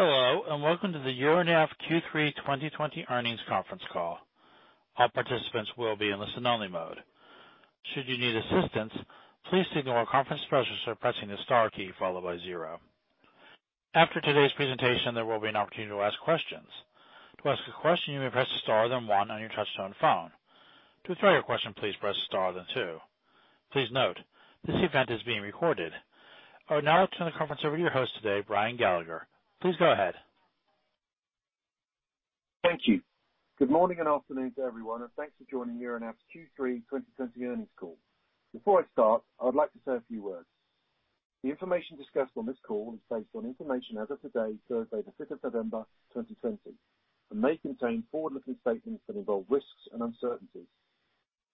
Hello, and welcome to the Euronav Q3 2020 earnings conference call. All participants will be in listen only mode. Should you need assistance, please signal our conference processor by pressing the star key followed by zero. After today's presentation, there will be an opportunity to ask questions. To ask a question, you may press star then one on your touchtone phone. To withdraw your question, please press star then two. Please note, this event is being recorded. I would now turn the conference over to your host today, Brian Gallagher. Please go ahead. Thank you. Good morning and afternoon to everyone, and thanks for joining Euronav's Q3 2020 earnings call. Before I start, I would like to say a few words. The information discussed on this call is based on information as of today, Thursday, the 5th of November, 2020, and may contain forward-looking statements that involve risks and uncertainties.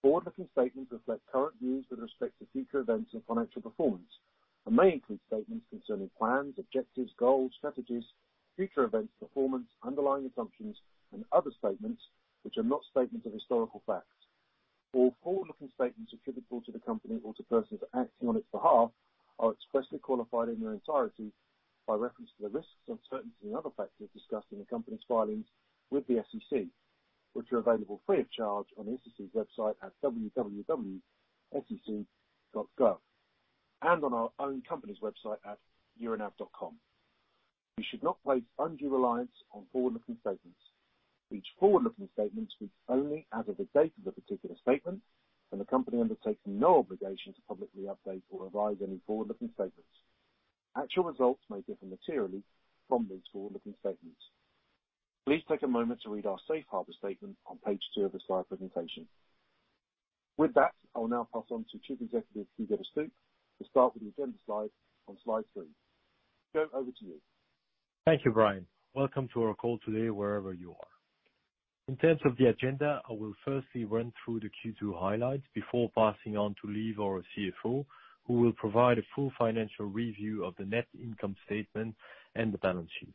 Forward-looking statements reflect current views with respect to future events and financial performance and may include statements concerning plans, objectives, goals, strategies, future events, performance, underlying assumptions, and other statements which are not statements of historical facts. All forward-looking statements attributable to the company or to persons acting on its behalf are expressly qualified in their entirety by reference to the risks, uncertainties, and other factors discussed in the company's filings with the SEC, which are available free of charge on the SEC's website at www.sec.gov and on our own company's website at euronav.com. You should not place undue reliance on forward-looking statements. Each forward-looking statement speaks only as of the date of the particular statement, and the company undertakes no obligation to publicly update or revise any forward-looking statements. Actual results may differ materially from these forward-looking statements. Please take a moment to read our safe harbor statement on page two of the slide presentation. With that, I will now pass on to Chief Executive, Hugo De Stoop, to start with the agenda slide on slide three. Hugo, over to you. Thank you, Brian. Welcome to our call today, wherever you are. In terms of the agenda, I will firstly run through the Q2 highlights before passing on to Lieve, our CFO, who will provide a full financial review of the net income statement and the balance sheet.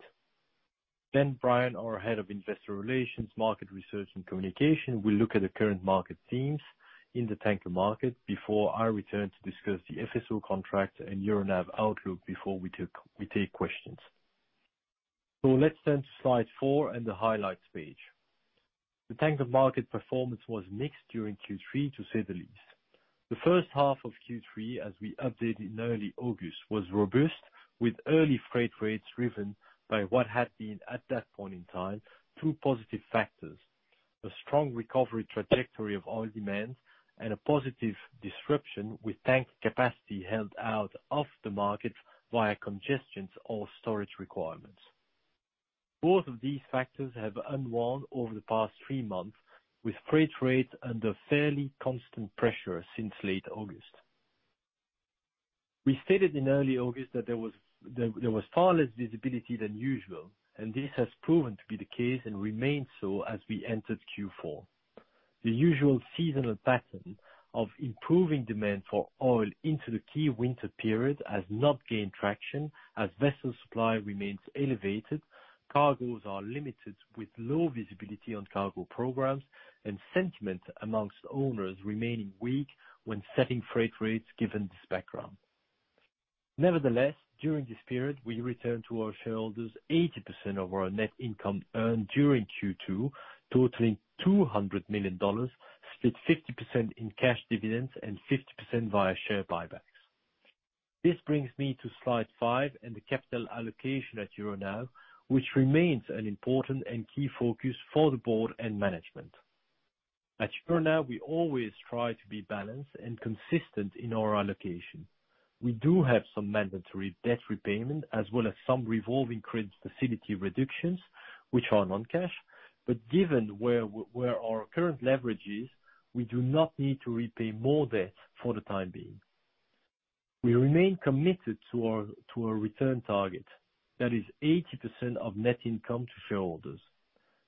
Brian, our Head of Investor Relations, Market Research, and Communication, will look at the current market themes in the tanker market before I return to discuss the FSO contract and Euronav outlook before we take questions. Let's turn to slide four and the highlights page. The tanker market performance was mixed during Q3, to say the least. The first half of Q3, as we updated in early August, was robust, with early freight rates driven by what had been, at that point in time, two positive factors, a strong recovery trajectory of oil demand and a positive disruption with tanker capacity held out of the market via congestions or storage requirements. Both of these factors have unwound over the past three months, with freight rates under fairly constant pressure since late August. We stated in early August that there was far less visibility than usual, and this has proven to be the case and remains so as we entered Q4. The usual seasonal pattern of improving demand for oil into the key winter period has not gained traction, as vessel supply remains elevated, cargoes are limited with low visibility on cargo programs, and sentiment among owners remaining weak when setting freight rates given this background. Nevertheless, during this period, we returned to our shareholders 80% of our net income earned during Q2, totaling $200 million, split 50% in cash dividends and 50% via share buybacks. This brings me to slide five and the capital allocation at Euronav, which remains an important and key focus for the board and management. At Euronav, we always try to be balanced and consistent in our allocation. We do have some mandatory debt repayment as well as some revolving credit facility reductions, which are non-cash. Given where our current leverage is, we do not need to repay more debt for the time being. We remain committed to our return target, that is 80% of net income to shareholders.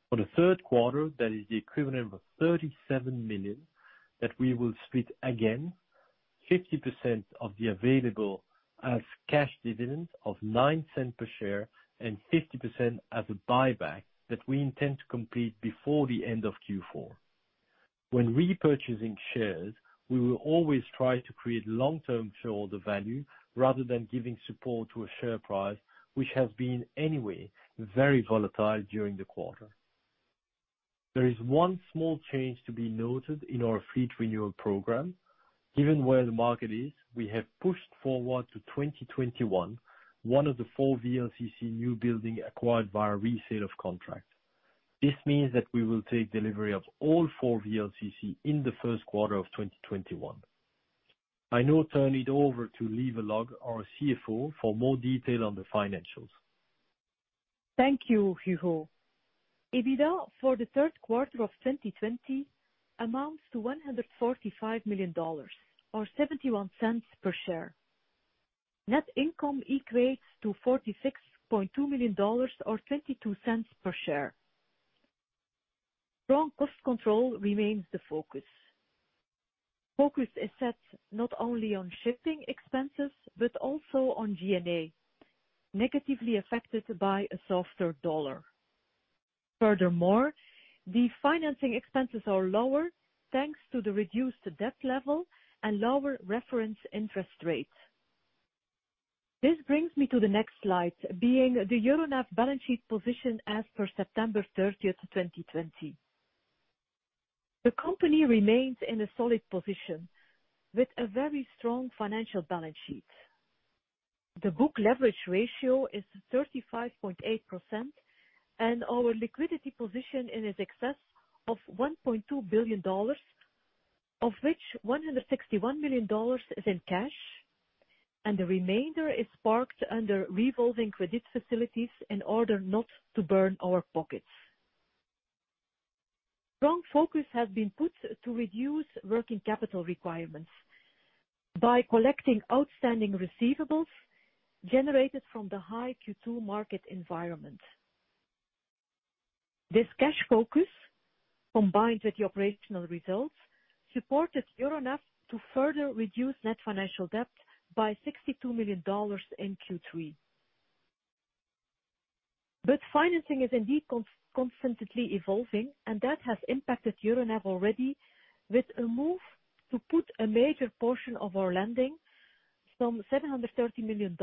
For the third quarter, that is the equivalent of $37 million, that we will split again, 50% of the available as cash dividends of $0.09 per share and 50% as a buyback that we intend to complete before the end of Q4. When repurchasing shares, we will always try to create long-term shareholder value rather than giving support to a share price, which has been anyway, very volatile during the quarter. There is one small change to be noted in our fleet renewal program. Given where the market is, we have pushed forward to 2021 one of the four VLCC new building acquired via resale of contract. This means that we will take delivery of all four VLCC in the first quarter of 2021. I now turn it over to Lieve Logghe, our CFO, for more detail on the financials. Thank you, Hugo. EBITDA for the third quarter of 2020 amounts to $145 million or $0.71 per share. Net income equates to $46.2 million or $0.22 per share. Strong cost control remains the focus. Focus is set not only on shipping expenses but also on G&A, negatively affected by a softer dollar. Furthermore, the financing expenses are lower thanks to the reduced debt level and lower reference interest rates. This brings me to the next slide, being the Euronav balance sheet position as per September 30th, 2020. The company remains in a solid position with a very strong financial balance sheet. The book leverage ratio is 35.8%, and our liquidity position is in excess of $1.2 billion, of which $161 million is in cash, and the remainder is parked under revolving credit facilities in order not to burn our pockets. Strong focus has been put to reduce working capital requirements by collecting outstanding receivables generated from the high Q2 market environment. This cash focus, combined with the operational results, supported Euronav to further reduce net financial debt by $62 million in Q3. Financing is indeed constantly evolving, and that has impacted Euronav already with a move to put a major portion of our lending, some $730 million,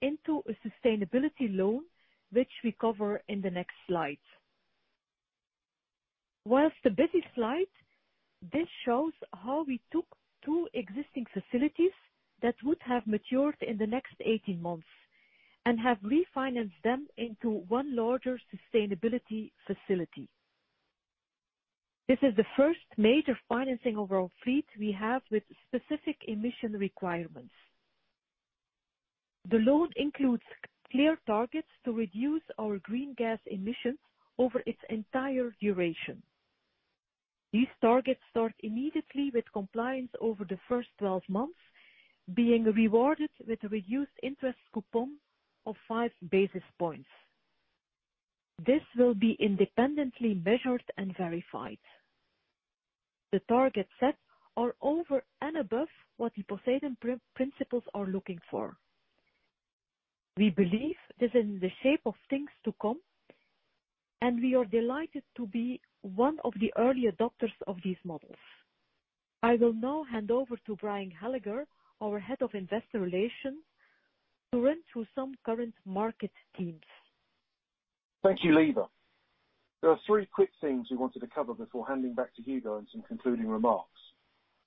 into a sustainability loan, which we cover in the next slide. Whilst a busy slide, this shows how we took two existing facilities that would have matured in the next 18 months and have refinanced them into one larger sustainability facility. This is the first major financing of our fleet we have with specific emission requirements. The loan includes clear targets to reduce our green gas emissions over its entire duration. These targets start immediately with compliance over the first 12 months being rewarded with a reduced interest coupon of five basis points. This will be independently measured and verified. The target set are over and above what the Poseidon Principles are looking for. We believe this is the shape of things to come, and we are delighted to be one of the early adopters of these models. I will now hand over to Brian Gallagher, our Head of Investor Relations, to run through some current market themes. Thank you, Lieve. There are three quick things we wanted to cover before handing back to Hugo and some concluding remarks.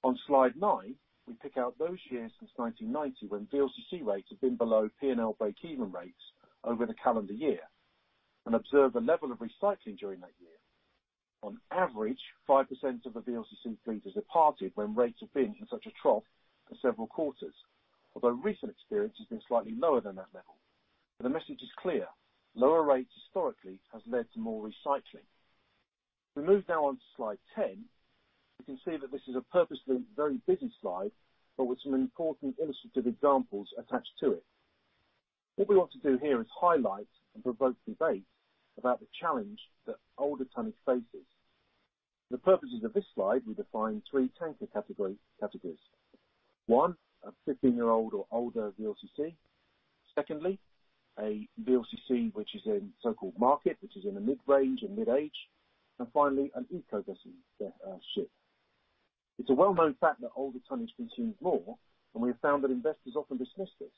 On slide nine, we pick out those years since 1990 when VLCC rates have been below P&L break-even rates over the calendar year and observe the level of recycling during that year. On average, 5% of the VLCC fleet has departed when rates have been in such a trough for several quarters, although recent experience has been slightly lower than that level. The message is clear: lower rates historically have led to more recycling. We move now on to slide 10. You can see that this is a purposefully very busy slide, but with some important illustrative examples attached to it. What we want to do here is highlight and provoke debate about the challenge that older tonnage faces. For the purposes of this slide, we define three tanker categories. One, a 15-year-old or older VLCC. Secondly, a VLCC which is in so-called market, which is in the mid-range and mid-age. Finally, an eco vessel, ship. It's a well-known fact that older tonnage consumes more. We have found that investors often dismiss this.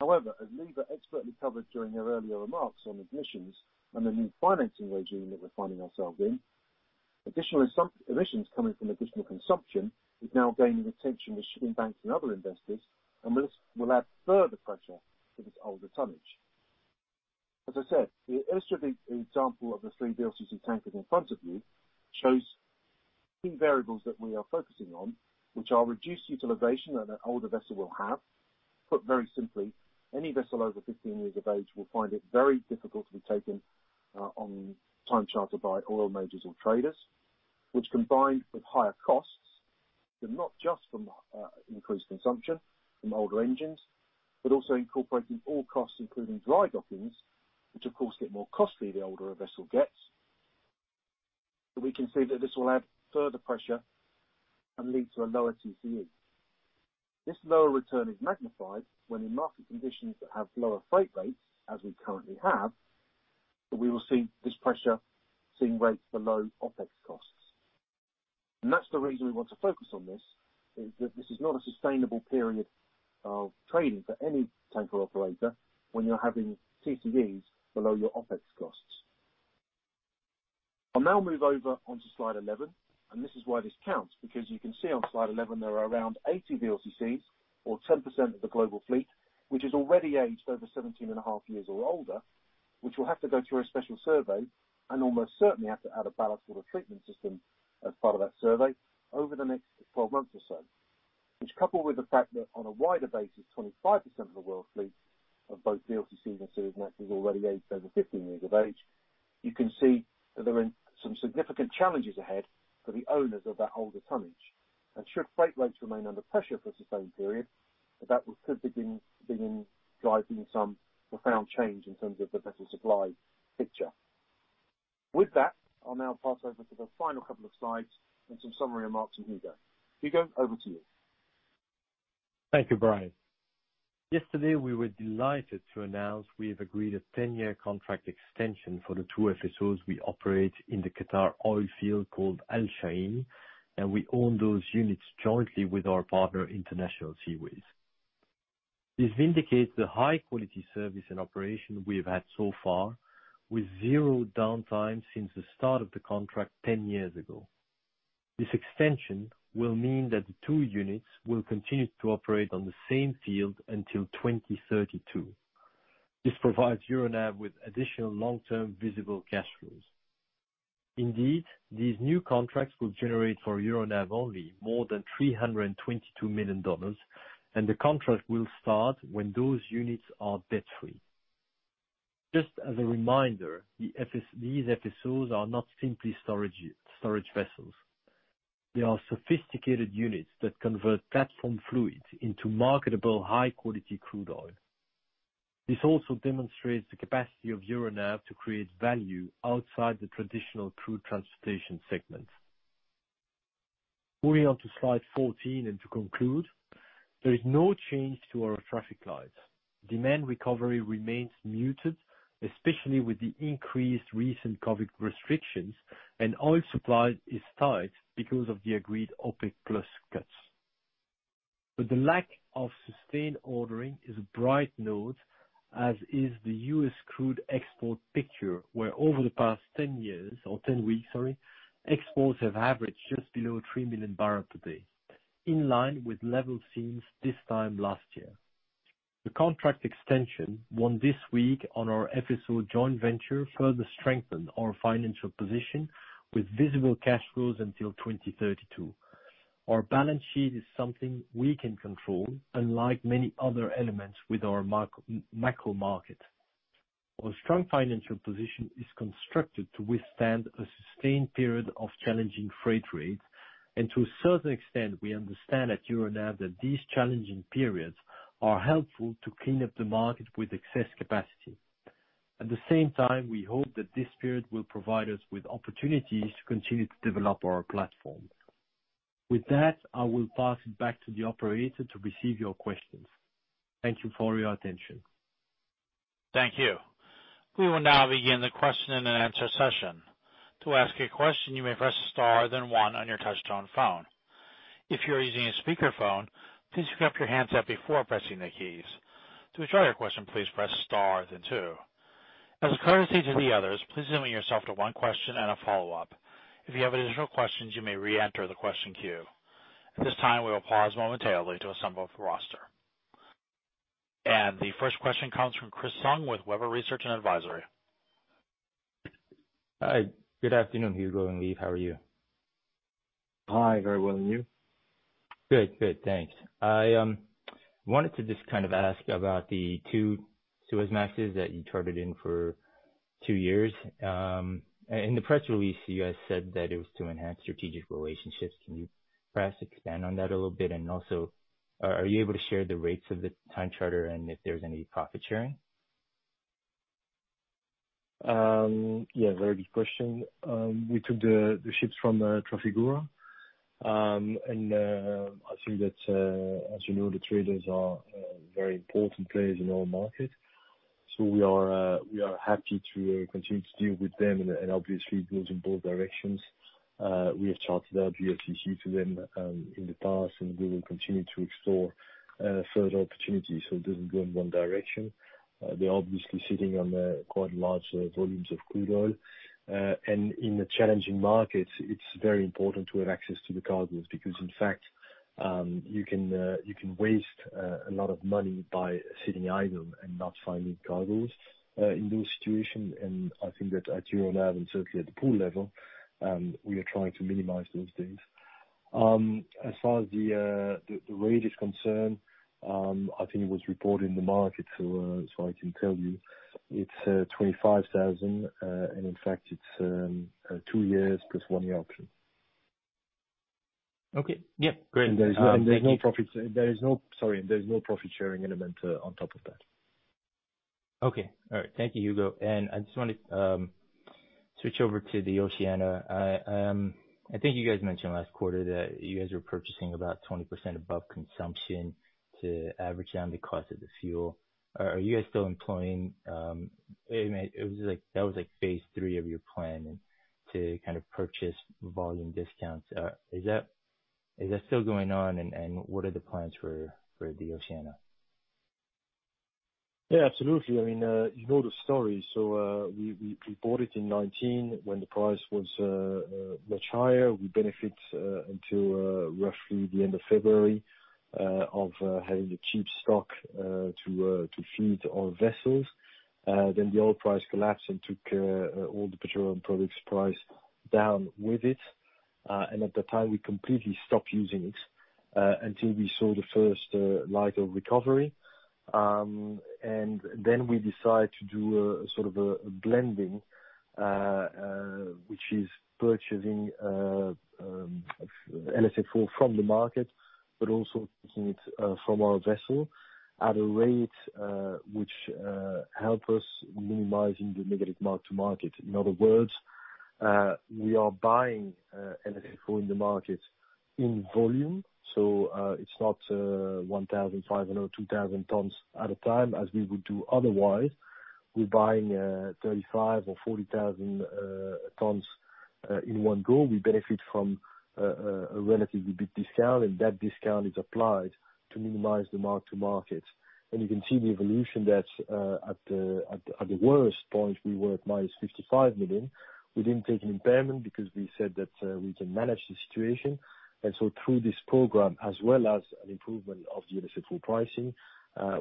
However, as Lieve expertly covered during her earlier remarks on emissions and the new financing regime that we're finding ourselves in, additional emissions coming from additional consumption is now gaining attention with shipping banks and other investors. This will add further pressure to this older tonnage. As I said, the illustrative example of the three VLCC tankers in front of you shows key variables that we are focusing on, which are reduced utilization that an older vessel will have. Put very simply, any vessel over 15 years of age will find it very difficult to be taken on time charter by oil majors or traders, which combined with higher costs, but not just from increased consumption from older engines, but also incorporating all costs, including dry dockings, which of course get more costly the older a vessel gets. We can see that this will add further pressure and lead to a lower TCE. This lower return is magnified when in market conditions that have lower freight rates, as we currently have, we will see this pressure seeing rates below OpEx costs. That's the reason we want to focus on this, is that this is not a sustainable period of trading for any tanker operator when you're having TCEs below your OpEx costs. I'll now move over onto slide 11, this is why this counts, because you can see on slide 11, there are around 80 VLCCs or 10% of the global fleet, which is already aged over 17.5 years or older, which will have to go through a special survey and almost certainly have to add a ballast water treatment system as part of that survey over the next 12 months or so. Which coupled with the fact that on a wider basis, 25% of the world fleet of both VLCCs and Suezmaxes already aged over 15 years of age, you can see that there are some significant challenges ahead for the owners of that older tonnage. Should freight rates remain under pressure for the same period, that could begin driving some profound change in terms of the vessel supply picture. With that, I'll now pass over to the final couple of slides and some summary remarks from Hugo. Hugo, over to you. Thank you, Brian. Yesterday we were delighted to announce we have agreed a 10-year contract extension for the two FSOs we operate in the Qatar oil field called Al Shaheen, and we own those units jointly with our partner, International Seaways. This vindicates the high-quality service and operation we've had so far, with zero downtime since the start of the contract 10 years ago. This extension will mean that the two units will continue to operate on the same field until 2032. This provides Euronav with additional long-term visible cash flows. Indeed, these new contracts will generate for Euronav only more than $322 million, and the contract will start when those units are debt-free. Just as a reminder, these FSOs are not simply storage vessels. They are sophisticated units that convert platform fluid into marketable, high-quality crude oil. This also demonstrates the capacity of Euronav to create value outside the traditional crude transportation segment. Moving on to slide 14 and to conclude, there is no change to our traffic lights. Demand recovery remains muted, especially with the increased recent COVID restrictions. Oil supply is tight because of the agreed OPEC+ cuts. The lack of sustained ordering is a bright note, as is the U.S. crude export picture, where over the past 10 weeks, exports have averaged just below 3 million barrels a day, in line with level seen this time last year. The contract extension won this week on our FSO joint venture further strengthened our financial position with visible cash flows until 2032. Our balance sheet is something we can control, unlike many other elements with our micro market. Our strong financial position is constructed to withstand a sustained period of challenging freight rates, and to a certain extent, we understand at Euronav that these challenging periods are helpful to clean up the market with excess capacity. At the same time, we hope that this period will provide us with opportunities to continue to develop our platform. With that, I will pass it back to the operator to receive your questions. Thank you for your attention. Thank you. We will now begin the question and answer session. To ask a question you may press star then one on your touchtone phone. If you're using a speakerphone please lift up your handset before pressing the keys. To withdraw your question please press star then two. As a courtesy to the others please limit yourself to one question and a follow-up. If there is no questions you may reenter the question queue. At this time we will pause momentarily to assemble the roster. The first question comes from Chris Tsung with Webber Research & Advisory. Hi. Good afternoon, Hugo and Lieve. How are you? Hi, very well. You? Good. Thanks. I wanted to just ask about the two Suezmaxes that you chartered in for two years. In the press release, you guys said that it was to enhance strategic relationships. Can you perhaps expand on that a little bit? Also, are you able to share the rates of the time charter and if there's any profit sharing? Yeah, very good question. We took the ships from Trafigura. I think that, as you know, the traders are very important players in our market. We are happy to continue to deal with them, and obviously it goes in both directions. We have chartered out VLCC to them in the past, and we will continue to explore further opportunities so it doesn't go in one direction. They're obviously sitting on quite large volumes of crude oil. In the challenging markets, it's very important to have access to the cargoes, because, in fact, you can waste a lot of money by sitting idle and not finding cargoes in those situations. I think that at Euronav, and certainly at the pool level, we are trying to minimize those things. As far as the rate is concerned, I think it was reported in the market, so I can tell you it's $25,000, and in fact, it's two years plus one year option. Okay. Yep. Great. Thank you. There is no profit sharing element on top of that. Okay. All right. Thank you, Hugo. I just want to switch over to the Oceania. I think you guys mentioned last quarter that you guys were purchasing about 20% above consumption to average down the cost of the fuel. That was phase III of your plan, to purchase volume discounts. Is that still going on, and what are the plans for the Oceania? Yeah, absolutely. You know the story. We pre-bought it in 2019 when the price was much higher. We benefit until roughly the end of February of having the cheap stock to feed our vessels. The oil price collapsed and took all the petroleum products price down with it. At the time, we completely stopped using it until we saw the first light of recovery. We decided to do a sort of a blending, which is purchasing LSFO from the market, but also taking it from our vessel at a rate which help us minimizing the negative mark to market. We are buying LSFO in the market in volume. It's not 1,500 or 2,000 tons at a time as we would do otherwise. We're buying 35,000 or 40,000 tons in one go. We benefit from a relatively big discount, and that discount is applied to minimize the mark to market. You can see the evolution that at the worst point, we were at minus $55 million. We didn't take an impairment because we said that we can manage the situation. Through this program, as well as an improvement of the LSFO pricing,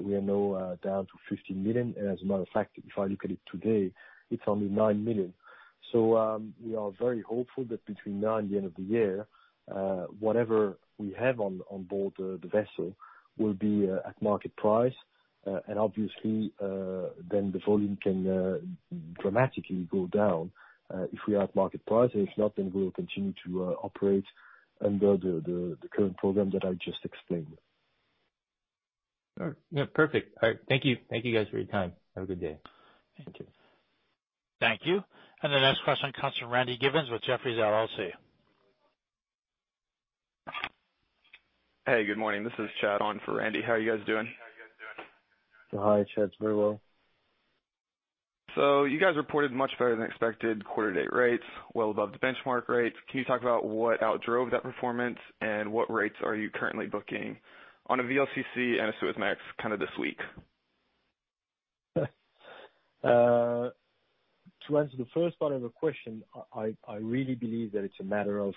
we are now down to $15 million. As a matter of fact, if I look at it today, it's only $9 million. We are very hopeful that between now and the end of the year, whatever we have on board the vessel will be at market price. Obviously, then the volume can dramatically go down if we are at market price, and if not, then we will continue to operate under the current program that I just explained. All right. Yeah, perfect. All right. Thank you. Thank you guys for your time. Have a good day. Thank you. Thank you. The next question comes from Randy Giveans with Jefferies LLC. Hey, good morning. This is Chad on for Randy. How are you guys doing? Hi, Chad. Very well. You guys reported much better than expected quarter-to-date rates, well above the benchmark rates. Can you talk about what outdrove that performance, and what rates are you currently booking on a VLCC and a Suezmax this week? To answer the first part of the question, I really believe that it's a matter of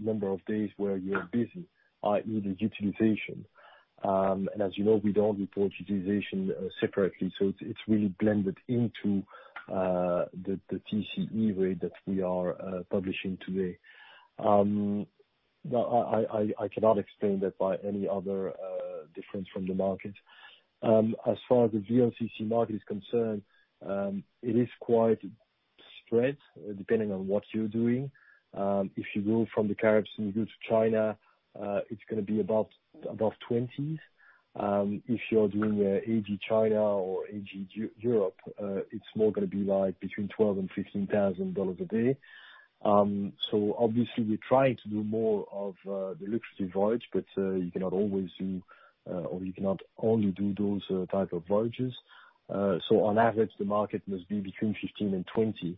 number of days where you're busy, i.e., the utilization. As you know, we don't report utilization separately, so it's really blended into the TCE rate that we are publishing today. I cannot explain that by any other difference from the market. As far as the VLCC market is concerned, it is quite spread depending on what you're doing. If you go from the Caribbean and you go to China, it's going to be above $20,000s. If you're doing AG China or AG Europe, it's more going to be between $12,000 and $15,000 a day. Obviously we're trying to do more of the lucrative voyage, but you cannot always do or you cannot only do those type of voyages. On average, the market must be between $15,000 and $20,000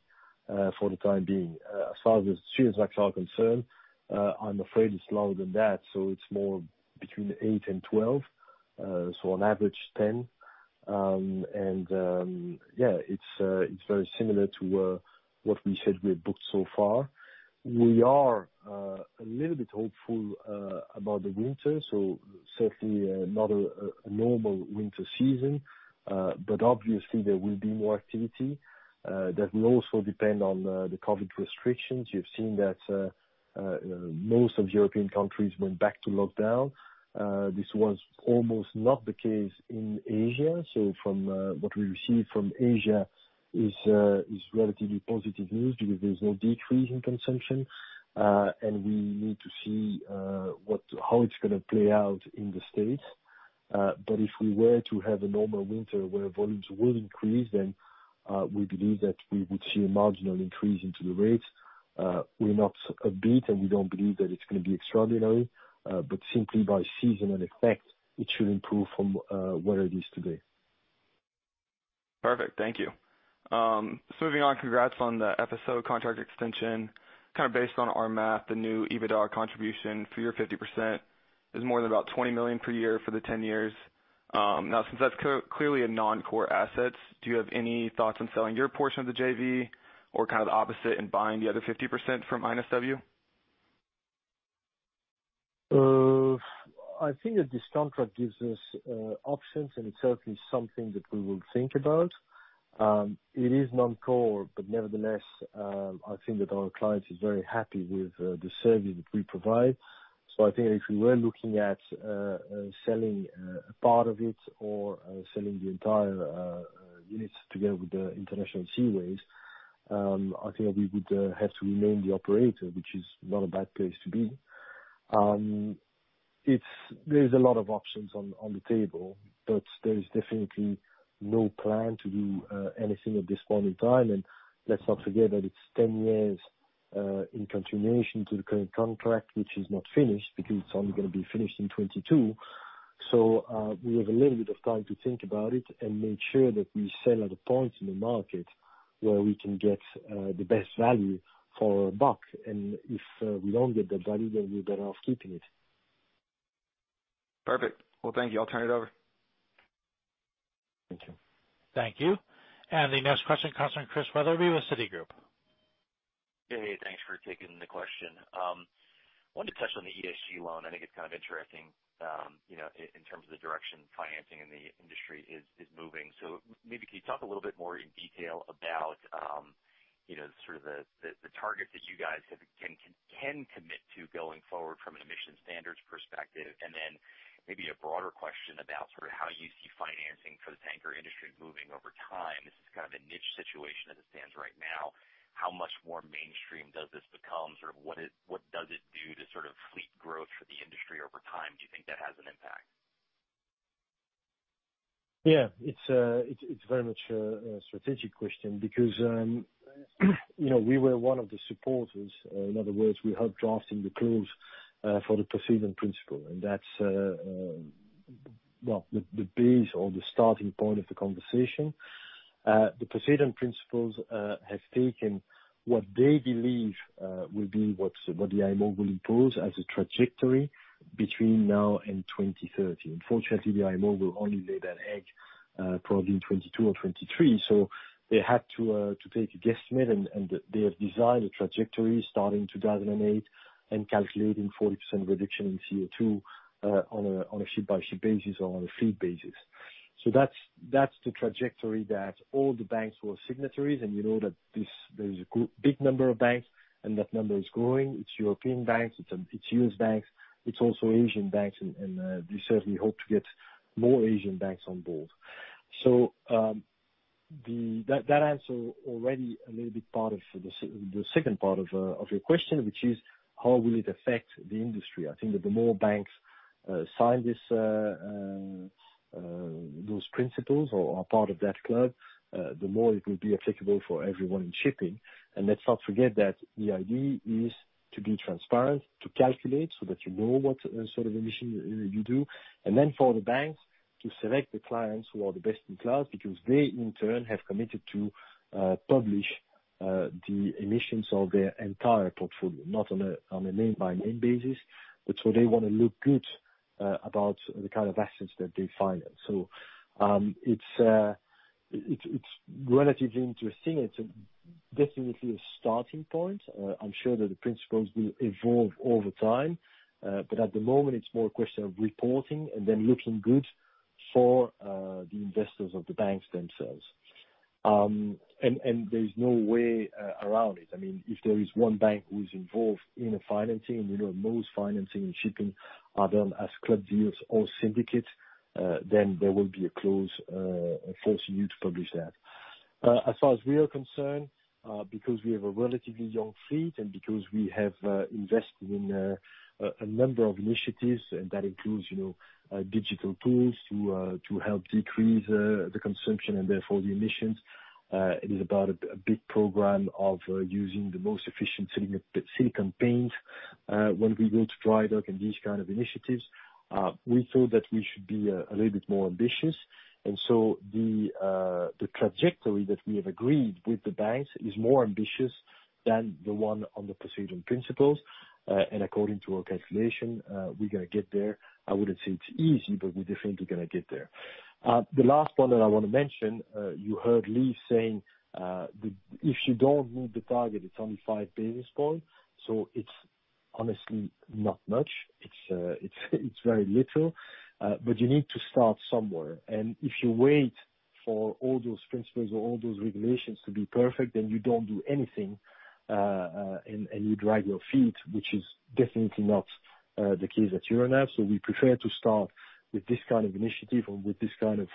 for the time being. As far as Suezmax are concerned, I'm afraid it's lower than that. It's more between $8,000 and $12,000. On average, $10,000. Yeah, it's very similar to what we said we had booked so far. We are a little bit hopeful about the winter, so certainly not a normal winter season. Obviously there will be more activity. That will also depend on the COVID restrictions. You've seen that most of European countries went back to lockdown. This was almost not the case in Asia. From what we receive from Asia is relatively positive news, because there's no decrease in consumption. We need to see how it's going to play out in the States. If we were to have a normal winter where volumes will increase, then we believe that we would see a marginal increase into the rates. We're not beat, and we don't believe that it's going to be extraordinary. Simply by seasonal effect, it should improve from where it is today. Perfect. Thank you. Moving on, congrats on the FSO contract extension. Based on our math, the new EBITDA contribution for your 50% is more than about $20 million per year for the 10 years. Now, since that's clearly a non-core asset, do you have any thoughts on selling your portion of the JV or kind of the opposite and buying the other 50% from INSW? I think that this contract gives us options. It's certainly something that we will think about. It is non-core, but nevertheless, I think that our client is very happy with the service that we provide. I think that if we were looking at selling a part of it or selling the entire units together with International Seaways, I think we would have to remain the operator, which is not a bad place to be. There's a lot of options on the table, but there's definitely no plan to do anything at this point in time. Let's not forget that it's 10 years in continuation to the current contract, which is not finished because it's only going to be finished in 2022. We have a little bit of time to think about it and make sure that we sell at a point in the market where we can get the best value for our buck. If we don't get that value, then we're better off keeping it. Perfect. Well, thank you. I'll turn it over. Thank you. Thank you. The next question comes from Chris Wetherbee with Citigroup. Hey. Thanks for taking the question. Wanted to touch on the ESG loan. I think it's kind of interesting in terms of the direction financing in the industry is moving. Maybe can you talk a little bit more in detail about the target that you guys can commit to going forward from an emission standards perspective? Maybe a broader question about how you see financing for the tanker industry moving over time. This is kind of a niche situation as it stands right now. How much more mainstream does this become? What does it do to fleet growth for the industry over time? Do you think that has an impact? It's very much a strategic question because we were one of the supporters, in other words, we helped drafting the clause for the Poseidon Principles, and that's the base or the starting point of the conversation. The Poseidon Principles have taken what they believe will be what the IMO will impose as a trajectory between now and 2030. Unfortunately, the IMO will only lay that egg probably in 2022 or 2023. They had to take a guesstimate, and they have designed a trajectory starting 2008 and calculating 40% reduction in CO2 on a ship-by-ship basis or on a fleet basis. That's the trajectory that all the banks were signatories, and you know that there is a big number of banks, and that number is growing. It's European banks, it's U.S. banks, it's also Asian banks, and we certainly hope to get more Asian banks on board. That answers already a little bit part of the second part of your question, which is how will it affect the industry? I think that the more banks sign those Principles or are part of that club, the more it will be applicable for everyone in shipping. Let's not forget that the idea is to be transparent, to calculate so that you know what sort of emission you do, and then for the banks to select the clients who are the best in class because they, in turn, have committed to publish the emissions of their entire portfolio, not on a name-by-name basis. They want to look good about the kind of assets that they finance. It's relatively interesting. It's definitely a starting point. I'm sure that the Principles will evolve over time. At the moment, it's more a question of reporting and then looking good for the investors of the banks themselves. There's no way around it. If there is one bank who is involved in a financing, we know most financing in shipping are done as club deals or syndicates, then there will be a clause forcing you to publish that. As far as we are concerned, because we have a relatively young fleet and because we have invested in a number of initiatives, and that includes digital tools to help decrease the consumption and therefore the emissions. It is about a big program of using the most efficient silicone paint when we go to dry dock and these kind of initiatives. We feel that we should be a little bit more ambitious. The trajectory that we have agreed with the banks is more ambitious than the one on the Poseidon Principles. According to our calculation, we're going to get there. I wouldn't say it's easy, but we're definitely going to get there. The last point that I want to mention, you heard Lieve saying, if you don't meet the target, it's only five basis points, so it's honestly not much. It's very little. You need to start somewhere. If you wait for all those principles or all those regulations to be perfect, then you don't do anything, and you drag your feet, which is definitely not the case at Euronav. We prefer to start with this kind of initiative or with this kind of,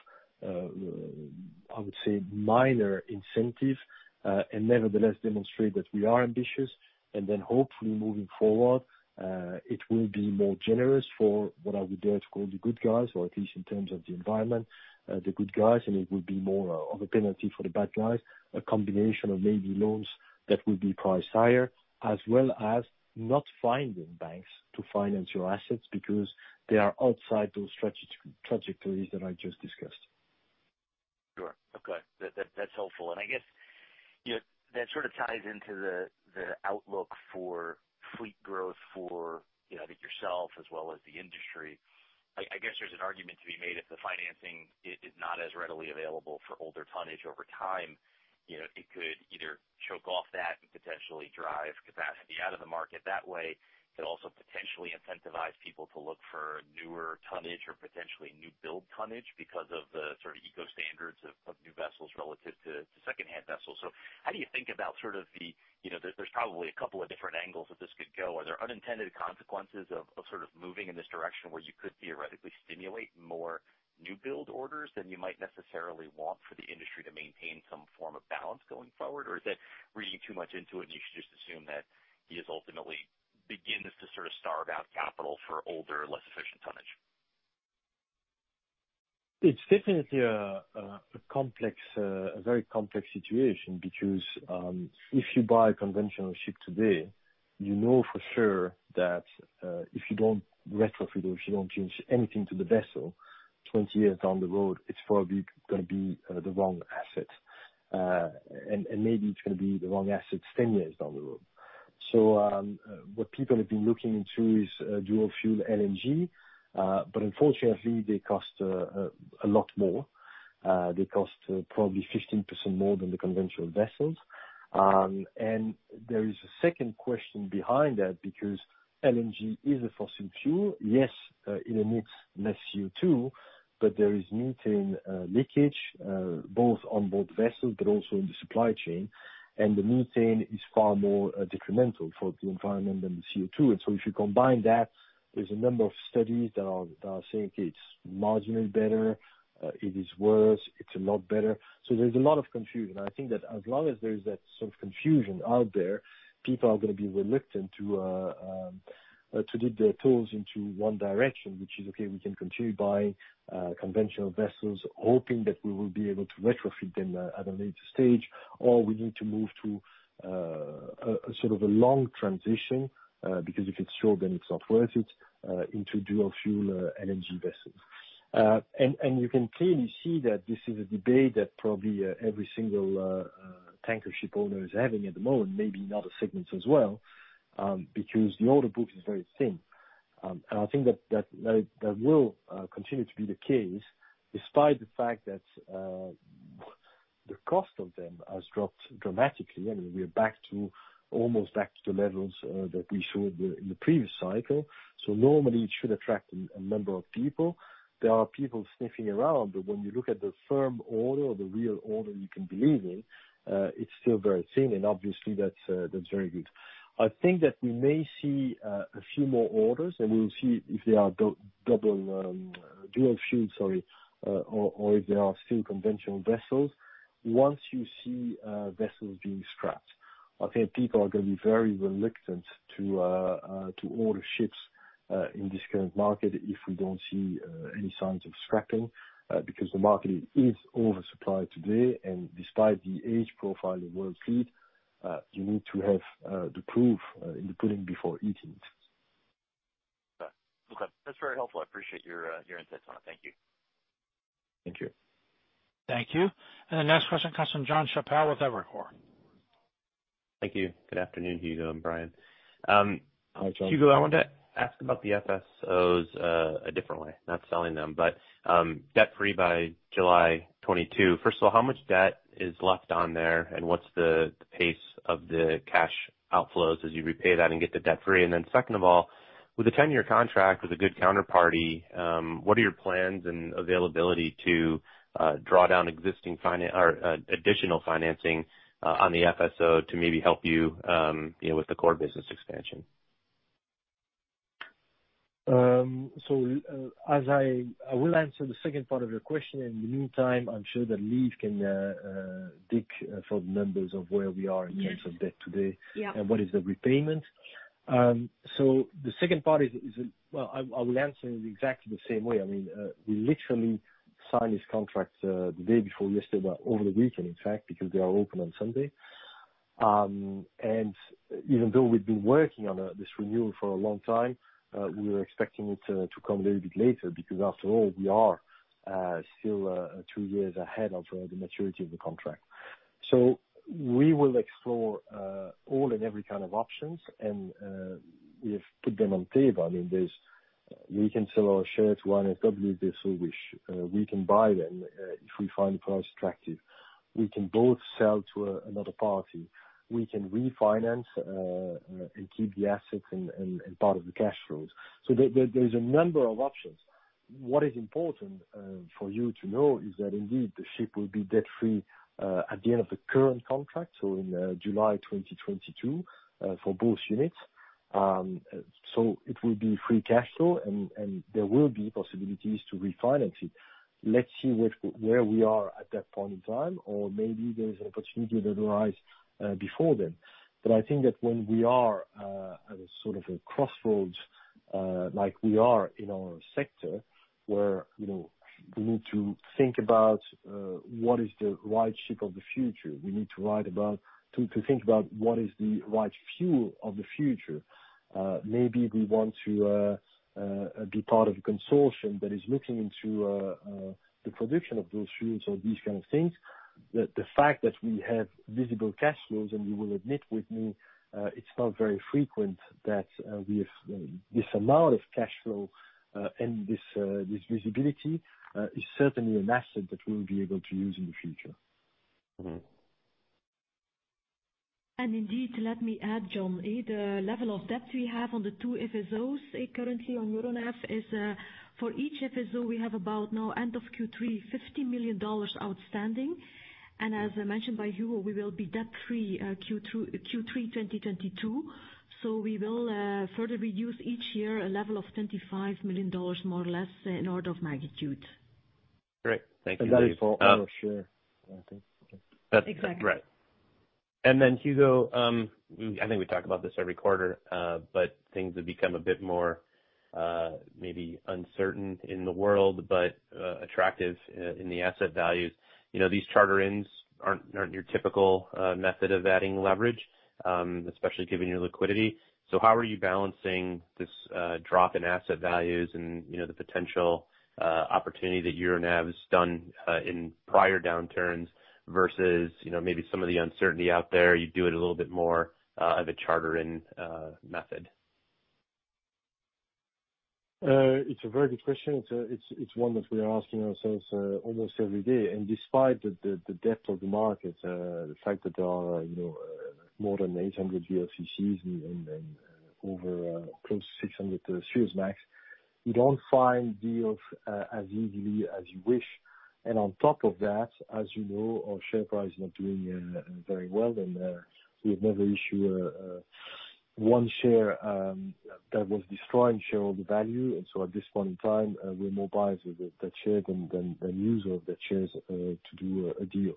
I would say, minor incentive, and nevertheless, demonstrate that we are ambitious, and then hopefully moving forward, it will be more generous for what I would dare to call the good guys, or at least in terms of the environment, the good guys, and it would be more of a penalty for the bad guys. A combination of maybe loans that will be priced higher, as well as not finding banks to finance your assets because they are outside those trajectories that I just discussed. Sure. Okay. That's helpful. I guess that sort of ties into the outlook for fleet growth for I think yourself as well as the industry. I guess there's an argument to be made if the financing is not as readily available for older tonnage over time, it could either choke off that and potentially drive capacity out of the market that way. It could also potentially incentivize people to look for newer tonnage or potentially new build tonnage because of the eco standards of new vessels relative to secondhand vessels. How do you think about There's probably a couple of different angles that this could go. Are there unintended consequences of sort of moving in this direction where you could theoretically stimulate more new build orders than you might necessarily want for the industry to maintain some form of balance going forward? Is that reading too much into it, and you should just assume that this ultimately begins to sort of starve out capital for older, less efficient tonnage? It's definitely a very complex situation because, if you buy a conventional ship today, you know for sure that if you don't retrofit or if you don't change anything to the vessel, 20 years down the road, it's probably going to be the wrong asset. Maybe it's going to be the wrong asset 10 years down the road. What people have been looking into is dual fuel LNG, but unfortunately, they cost a lot more. They cost probably 15% more than the conventional vessels. There is a second question behind that because LNG is a fossil fuel. Yes, it emits less CO2, but there is methane leakage, both on board vessels, but also in the supply chain. The methane is far more detrimental for the environment than the CO2. If you combine that, there's a number of studies that are saying it's marginally better, it is worse, it's a lot better. There's a lot of confusion. I think that as long as there's that sort of confusion out there, people are going to be reluctant to dip their toes into one direction, which is, okay, we can continue buying conventional vessels, hoping that we will be able to retrofit them at a later stage, or we need to move to a long transition, because if it's short then it's not worth it, into dual-fuel LNG vessels. You can clearly see that this is a debate that probably every single tanker ship owner is having at the moment, maybe in other segments as well, because the order book is very thin. I think that will continue to be the case, despite the fact that the cost of them has dropped dramatically, and we are almost back to the levels that we saw in the previous cycle. Normally it should attract a number of people. There are people sniffing around. When you look at the firm order, or the real order you can believe in, it's still very thin, and obviously that's very good. I think that we may see a few more orders, and we will see if they are dual-fuel or if they are still conventional vessels. Once you see vessels being scrapped, I think people are going to be very reluctant to order ships in this current market if we don't see any signs of scrapping, because the market is oversupplied today, and despite the age profile of world fleet, you need to have the proof in the pudding before eating it. Okay. That's very helpful. I appreciate your insights on it. Thank you. Thank you. Thank you. The next question comes from Jon Chappell with Evercore. Thank you. Good afternoon, Hugo and Brian. Hi, Jon. Hugo, I wanted to ask about the FSOs a different way, not selling them, but debt-free by July 2022. First of all, how much debt is left on there, and what's the pace of the cash outflows as you repay that and get to debt-free? Second of all, with a 10-year contract with a good counterparty, what are your plans and availability to draw down additional financing on the FSO to maybe help you with the core business expansion? I will answer the second part of your question. In the meantime, I'm sure that Lieve can dig for the numbers of where we are in terms of debt today. Yeah. What is the repayment. The second part, I will answer in exactly the same way. We literally signed this contract the day before yesterday, well, over the weekend, in fact, because they are open on Sunday. Even though we've been working on this renewal for a long time, we were expecting it to come a little bit later, because after all, we are still two years ahead of the maturity of the contract. We will explore all and every kind of options, and we have put them on the table. We can sell our share to INSW if they so wish. We can buy them if we find the price attractive. We can both sell to another party. We can refinance and keep the assets and part of the cash flows. There's a number of options. What is important for you to know is that indeed, the ship will be debt-free at the end of the current contract, so in July 2022, for both units. It will be free cash flow, and there will be possibilities to refinance it. Let's see where we are at that point in time, or maybe there is an opportunity that arise before then. I think that when we are at a crossroads, like we are in our sector, where we need to think about what is the right ship of the future. We need to think about what is the right fuel of the future. Maybe we want to be part of a consortium that is looking into the production of those fuels or these kind of things. The fact that we have visible cash flows, and you will admit with me, it's not very frequent that we have this amount of cash flow, and this visibility is certainly an asset that we will be able to use in the future. Indeed, let me add, John. The level of debt we have on the two FSOs currently on Euronav is, for each FSO, we have about now end of Q3, $50 million outstanding. As mentioned by Hugo, we will be debt-free Q3 2022. We will further reduce each year a level of $25 million, more or less, in order of magnitude. Great. Thank you, Lieve. That is for our share, I think. Exactly. Right. Hugo, I think we talk about this every quarter, but things have become a bit more maybe uncertain in the world, but attractive in the asset values. These charter-ins aren't your typical method of adding leverage, especially given your liquidity. How are you balancing this drop in asset values and the potential opportunity that Euronav has done in prior downturns versus maybe some of the uncertainty out there, you do it a little bit more of a charter-in method? It's a very good question. It's one that we are asking ourselves almost every day. Despite the depth of the market, the fact that there are more than 800 VLCCs and close to 600 Suezmax, you don't find deals as easily as you wish. On top of that, as you know, our share price is not doing very well, and we have never issued one share that will destroy shareholder value. At this point in time, we're more buyers of that share than user of that shares to do a deal.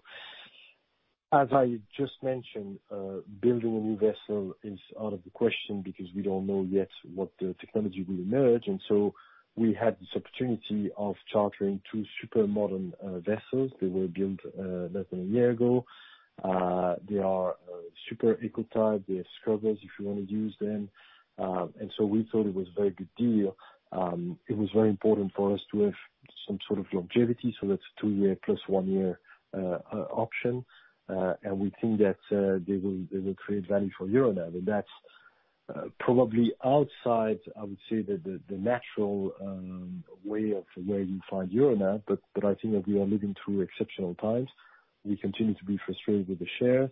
As I just mentioned, building a new vessel is out of the question because we don't know yet what technology will emerge. We had this opportunity of chartering two super modern vessels. They were built less than a year ago. They are super eco-type. They are scrubbers, if you want to use them. We thought it was a very good deal. It was very important for us to have some sort of longevity. That's a two-year plus one-year option. We think that they will create value for Euronav, and that's probably outside, I would say, the natural way of where you find Euronav, but I think that we are living through exceptional times. We continue to be frustrated with the share,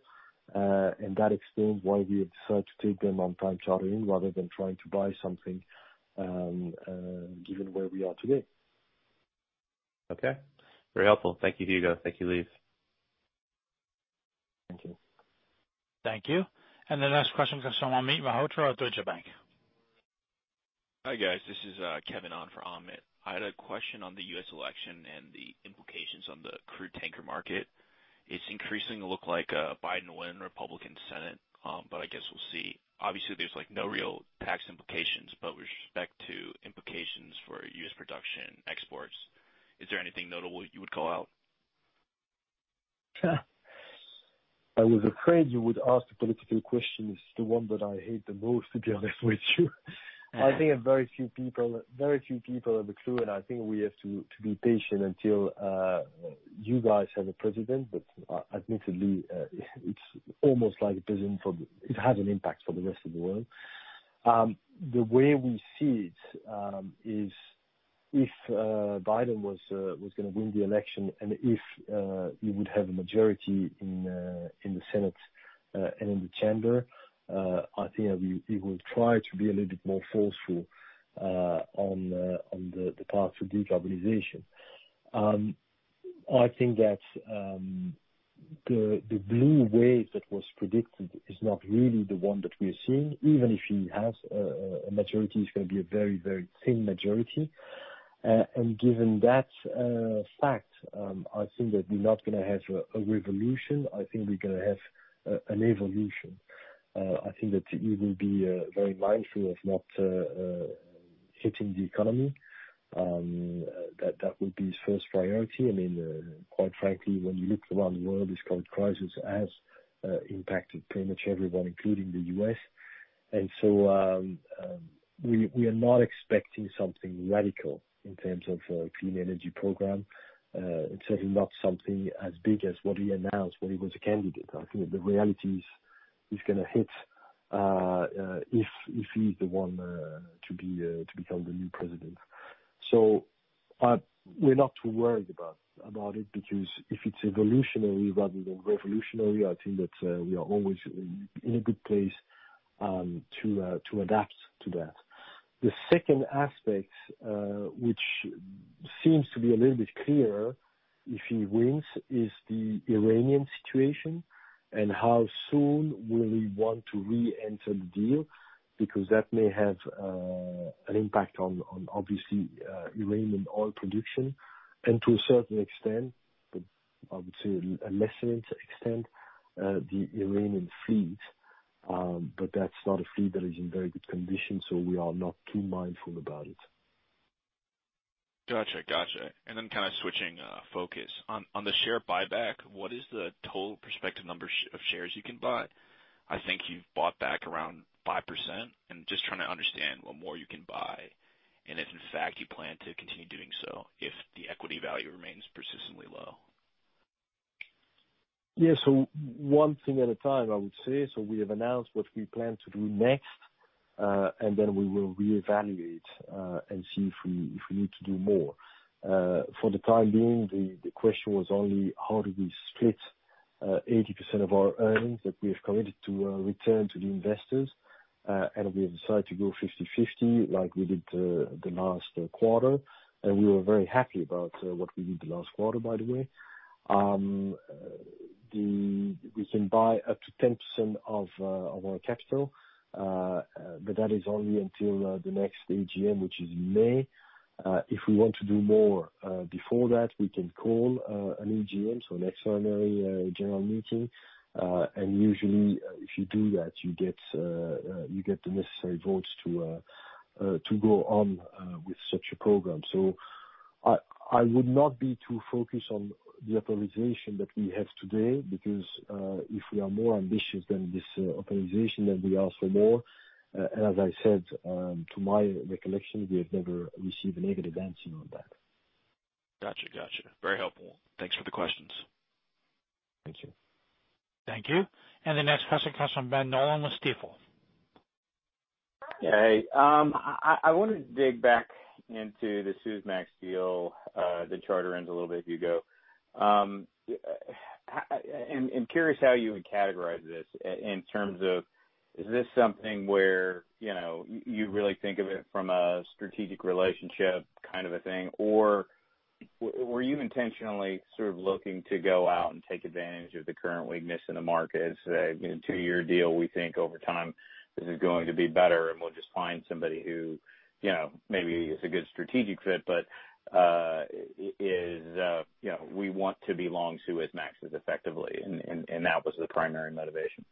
and that explains why we have decided to take them on time chartering rather than trying to buy something, given where we are today. Okay. Very helpful. Thank you, Hugo. Thank you, Lieve. Thank you. Thank you. The next question comes from Amit Mehrotra at Deutsche Bank. Hi, guys. This is Kevin on for Amit. I had a question on the U.S. election and the implications on the crude tanker market. It's increasingly look like a Biden win, Republican Senate, but I guess we'll see. Obviously, there's no real tax implications, but with respect to implications for U.S. production exports, is there anything notable you would call out? I was afraid you would ask a political question. It's the one that I hate the most, to be honest with you. I think very few people have a clue, and I think we have to be patient until you guys have a president. Admittedly, it has an impact for the rest of the world. The way we see it is, if Biden was going to win the election and if he would have a majority in the Senate and in the chamber, I think that he will try to be a little bit more forceful on the path to de-carbonization. I think that the blue wave that was predicted is not really the one that we are seeing. Even if he has a majority, it's going to be a very, very thin majority. Given that fact, I think that we're not going to have a revolution. I think we're going to have an evolution. I think that he will be very mindful of not hitting the economy. That would be his first priority. Quite frankly, when you look around the world, this COVID crisis has impacted pretty much everyone, including the U.S. We are not expecting something radical in terms of a clean energy program. It's certainly not something as big as what he announced when he was a candidate. I think that the reality is, he's going to hit if he's the one to become the new president. We're not too worried about it, because if it's evolutionary rather than revolutionary, I think that we are always in a good place to adapt to that. The second aspect, which seems to be a little bit clearer if he wins, is the Iranian situation and how soon will he want to re-enter the deal, because that may have an impact on, obviously, Iranian oil production, and to a certain extent, I would say a lesser extent, the Iranian fleet. That's not a fleet that is in very good condition, so we are not too mindful about it. Got you. Kind of switching focus. On the share buyback, what is the total prospective number of shares you can buy? I think you've bought back around 5%, and just trying to understand what more you can buy, and if in fact you plan to continue doing so if the equity value remains persistently low. One thing at a time, I would say. We have announced what we plan to do next, and then we will reevaluate, and see if we need to do more. For the time being, the question was only how do we split 80% of our earnings that we have committed to return to the investors, and we have decided to go 50/50 like we did the last quarter. We were very happy about what we did the last quarter, by the way. We can buy up to 10% of our capital. That is only until the next AGM, which is in May. If we want to do more before that, we can call an EGM, so an Extraordinary General Meeting. Usually, if you do that, you get the necessary votes to go on with such a program. I would not be too focused on the authorization that we have today, because if we are more ambitious than this authorization, then we ask for more. As I said, to my recollection, we have never received a negative answer on that. Got you. Very helpful. Thanks for the questions. Thank you. Thank you. The next question comes from Ben Nolan with Stifel. Yeah. Hey, I wanted to dig back into the Suezmax deal, the charter ends a little bit, Hugo. I'm curious how you would categorize this in terms of, is this something where you really think of it from a strategic relationship kind of a thing? Or were you intentionally sort of looking to go out and take advantage of the current weakness in the market? It's a two-year deal. We think over time this is going to be better, and we'll just find somebody who maybe is a good strategic fit. We want to be long Suezmaxes effectively, and that was the primary motivation.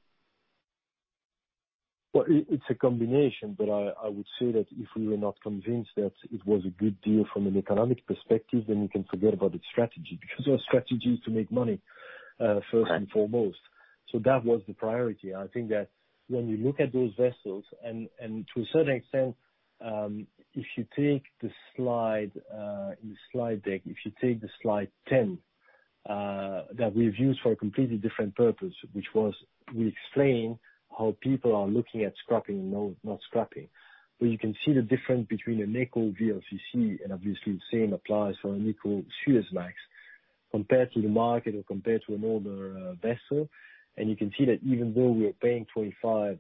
Well, it's a combination, but I would say that if we were not convinced that it was a good deal from an economic perspective, then we can forget about the strategy, because our strategy is to make money first and foremost. That was the priority. I think that when you look at those vessels, and to a certain extent, if you take the slide in slide deck, if you take the slide 10, that we've used for a completely different purpose, which was we explain how people are looking at scrapping, not scrapping. Where you can see the difference between an eco VLCC, and obviously the same applies for an eco Suezmax, compared to the market or compared to an older vessel. You can see that even though we are paying $25,000,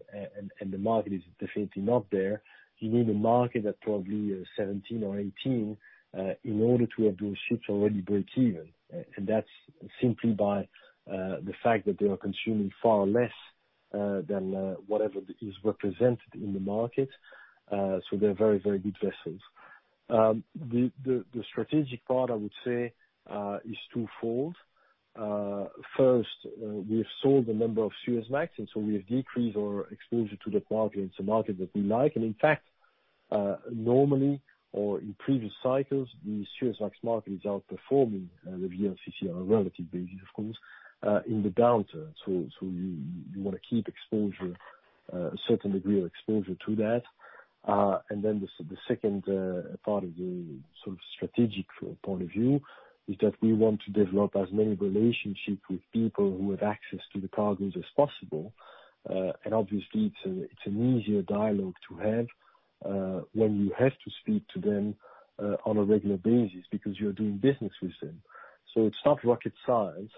and the market is definitely not there. You need a market at probably $17,000 or $18,000, in order to have those ships already break even. That's simply by the fact that they are consuming far less, than whatever is represented in the market. They're very, very good vessels. The strategic part, I would say, is twofold. First, we've sold a number of Suezmaxes, and so we have decreased our exposure to the market. It's a market that we like. In fact, normally, or in previous cycles, the Suezmax market is outperforming the VLCC on a relative basis, of course, in the downturn. You want to keep a certain degree of exposure to that. The second part of the sort of strategic point of view is that we want to develop as many relationships with people who have access to the cargoes as possible. Obviously it's an easier dialogue to have when you have to speak to them on a regular basis because you're doing business with them. It's not rocket science,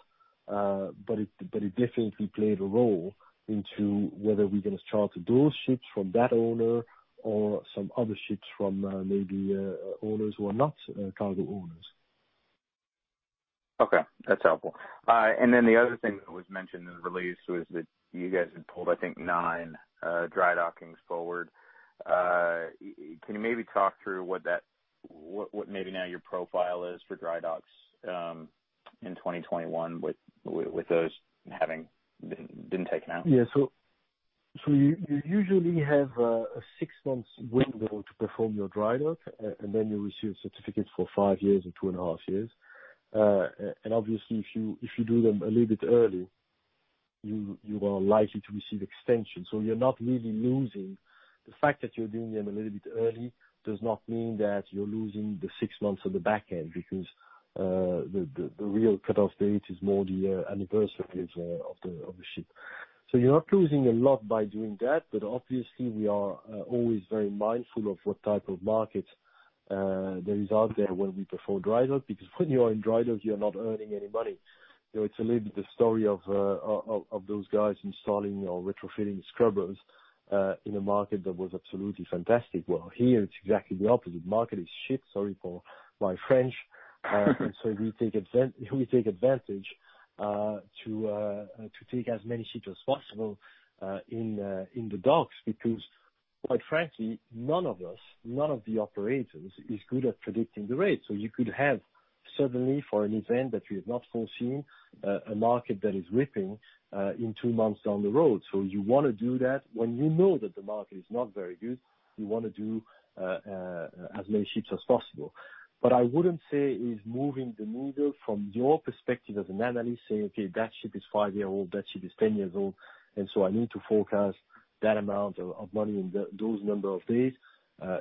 but it definitely played a role into whether we're going to charter those ships from that owner or some other ships from maybe owners who are not cargo owners. Okay. That's helpful. Then the other thing that was mentioned in the release was that you guys had pulled, I think, nine dry dockings forward. Can you maybe talk through what maybe now your profile is for dry docks in 2021 with those having been taken out? Yeah. You usually have a six months window to perform your dry dock, and then you receive certificates for five years or two and a half years. Obviously if you do them a little bit early, you are likely to receive extensions. You're not really losing. The fact that you're doing them a little bit early does not mean that you're losing the six months on the back end, because, the real cutoff date is more the anniversary of the ship. You're not losing a lot by doing that, but obviously we are always very mindful of what type of markets there is out there when we perform dry docks. Because when you are in dry docks, you are not earning any money. It's a little bit the story of those guys installing or retrofitting scrubbers in a market that was absolutely fantastic. Well, here it's exactly the opposite. Market is shit, sorry for my French. We take advantage to take as many ships as possible in the docks, because quite frankly, none of us, none of the operators is good at predicting the rates. You could have suddenly for an event that we have not foreseen, a market that is ripping in two months down the road. You want to do that when you know that the market is not very good. You want to do as many ships as possible. I wouldn't say it is moving the needle from your perspective as an analyst saying, "Okay, that ship is five years old, that ship is 10 years old, and so I need to forecast that amount of money in those number of days."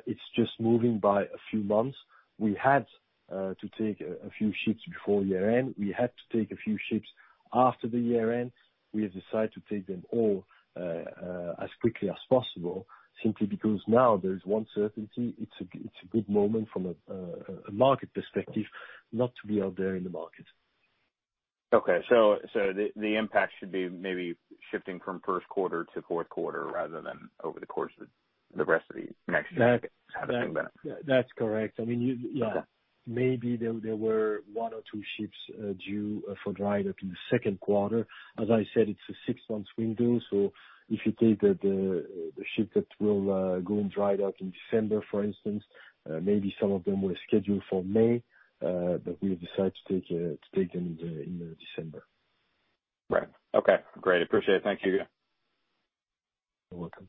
It's just moving by a few months. We had to take a few ships before year-end. We had to take a few ships after the year-end. We have decided to take them all as quickly as possible, simply because now there is one certainty, it's a good moment from a market perspective not to be out there in the market. Okay. The impact should be maybe shifting from first quarter to fourth quarter rather than over the course of the rest of next year. That's correct. Maybe there were one or two ships due for dry dock in the second quarter. As I said, it's a six months window. If you take the ship that will go in dry dock in December, for instance, maybe some of them were scheduled for May, but we have decided to take them in December. Right. Okay. Great. Appreciate it. Thank you. You're welcome.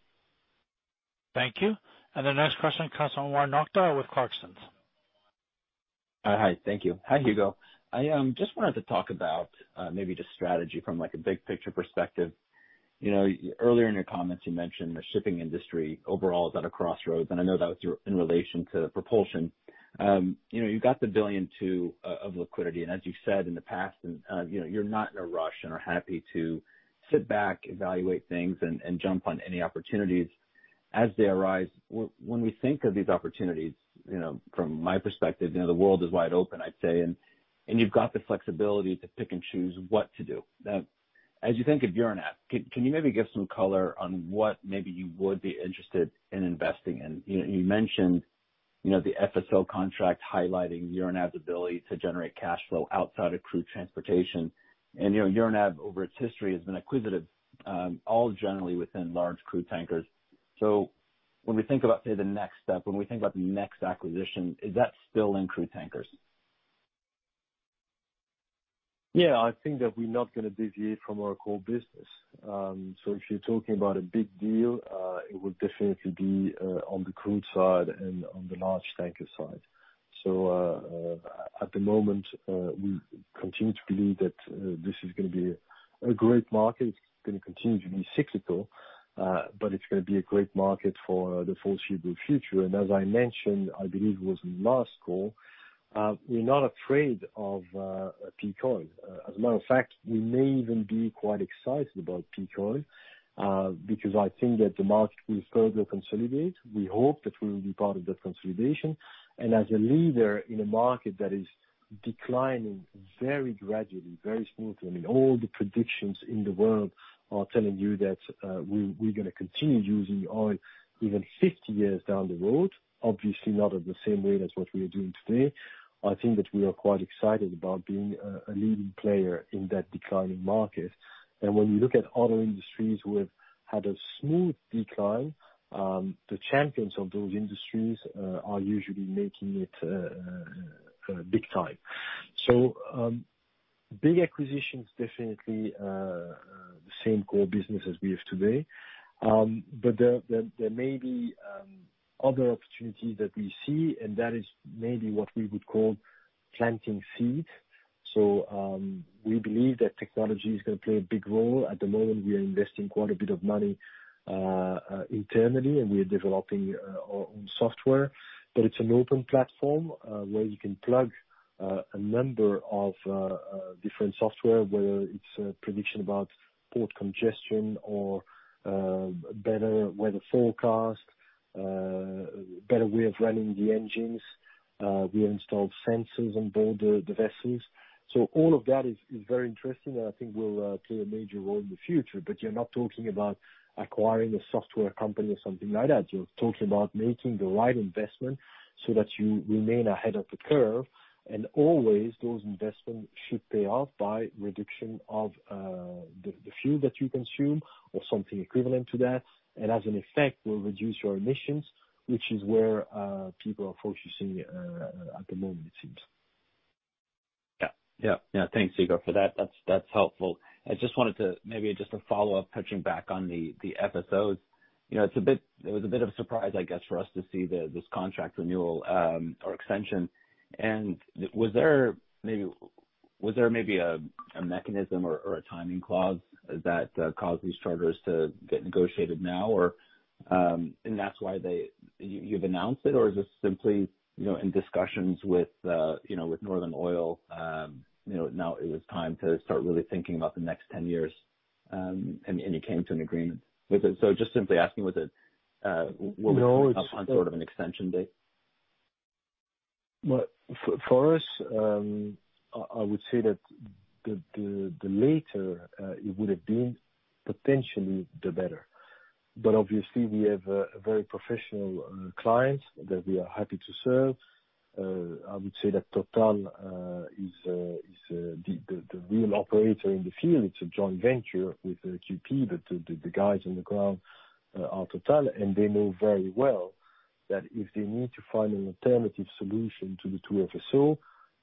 Thank you. The next question comes from Omar Nokta with Clarksons. Hi. Thank you. Hi, Hugo. I just wanted to talk about maybe just strategy from like a big picture perspective. Earlier in your comments, you mentioned the shipping industry overall is at a crossroads, and I know that was in relation to propulsion. You got the $1.2 billion of liquidity, and as you've said in the past, you're not in a rush and are happy to sit back, evaluate things, and jump on any opportunities as they arise. When we think of these opportunities, from my perspective, the world is wide open, I'd say. You've got the flexibility to pick and choose what to do. Now, as you think of Euronav, can you maybe give some color on what maybe you would be interested in investing in? You mentioned the FSO contract highlighting Euronav's ability to generate cash flow outside of crude transportation. Euronav, over its history, has been acquisitive, all generally within large crude tankers. When we think about, say, the next step, when we think about the next acquisition, is that still in crude tankers? I think that we're not going to deviate from our core business. If you're talking about a big deal, it would definitely be on the crude side and on the large tanker side. At the moment, we continue to believe that this is going to be a great market. It's going to continue to be cyclical, but it's going to be a great market for the foreseeable future. As I mentioned, I believe it was in the last call, we're not afraid of peak oil. As a matter of fact, we may even be quite excited about peak oil, because I think that the market will further consolidate. We hope that we will be part of that consolidation, and as a leader in a market that is declining very gradually, very smoothly, I mean, all the predictions in the world are telling you that we're going to continue using oil even 50 years down the road. Obviously not in the same way as what we are doing today. I think that we are quite excited about being a leading player in that declining market. When you look at other industries who have had a smooth decline, the champions of those industries are usually making it big time. Big acquisitions, definitely the same core business as we have today. There may be other opportunities that we see, and that is maybe what we would call planting seed. We believe that technology is going to play a big role. At the moment, we are investing quite a bit of money internally. We are developing our own software. It's an open platform, where you can plug a number of different software, whether it's a prediction about port congestion or better weather forecast, better way of running the engines. We have installed sensors on board the vessels. All of that is very interesting, and I think will play a major role in the future. You're not talking about acquiring a software company or something like that. You're talking about making the right investment so that you remain ahead of the curve. Always, those investments should pay off by reduction of the fuel that you consume or something equivalent to that. As an effect, will reduce your emissions, which is where people are focusing at the moment, it seems. Thanks, Hugo, for that. That's helpful. I just wanted to, maybe just to follow up, touching back on the FSOs. It was a bit of a surprise, I guess, for us to see this contract renewal or extension. Was there maybe a mechanism or a timing clause that caused these charters to get negotiated now, and that's why you've announced it? Is this simply in discussions with Northern Oil, now it was time to start really thinking about the next 10 years, and you came to an agreement with it? Just simply asking. No. Were you coming up on sort of an extension date? For us, I would say that the later it would have been, potentially the better. Obviously we have a very professional client that we are happy to serve. I would say that Total is the real operator in the field. It's a joint venture with QP, but the guys on the ground are Total, and they know very well that if they need to find an alternative solution to the two FSO,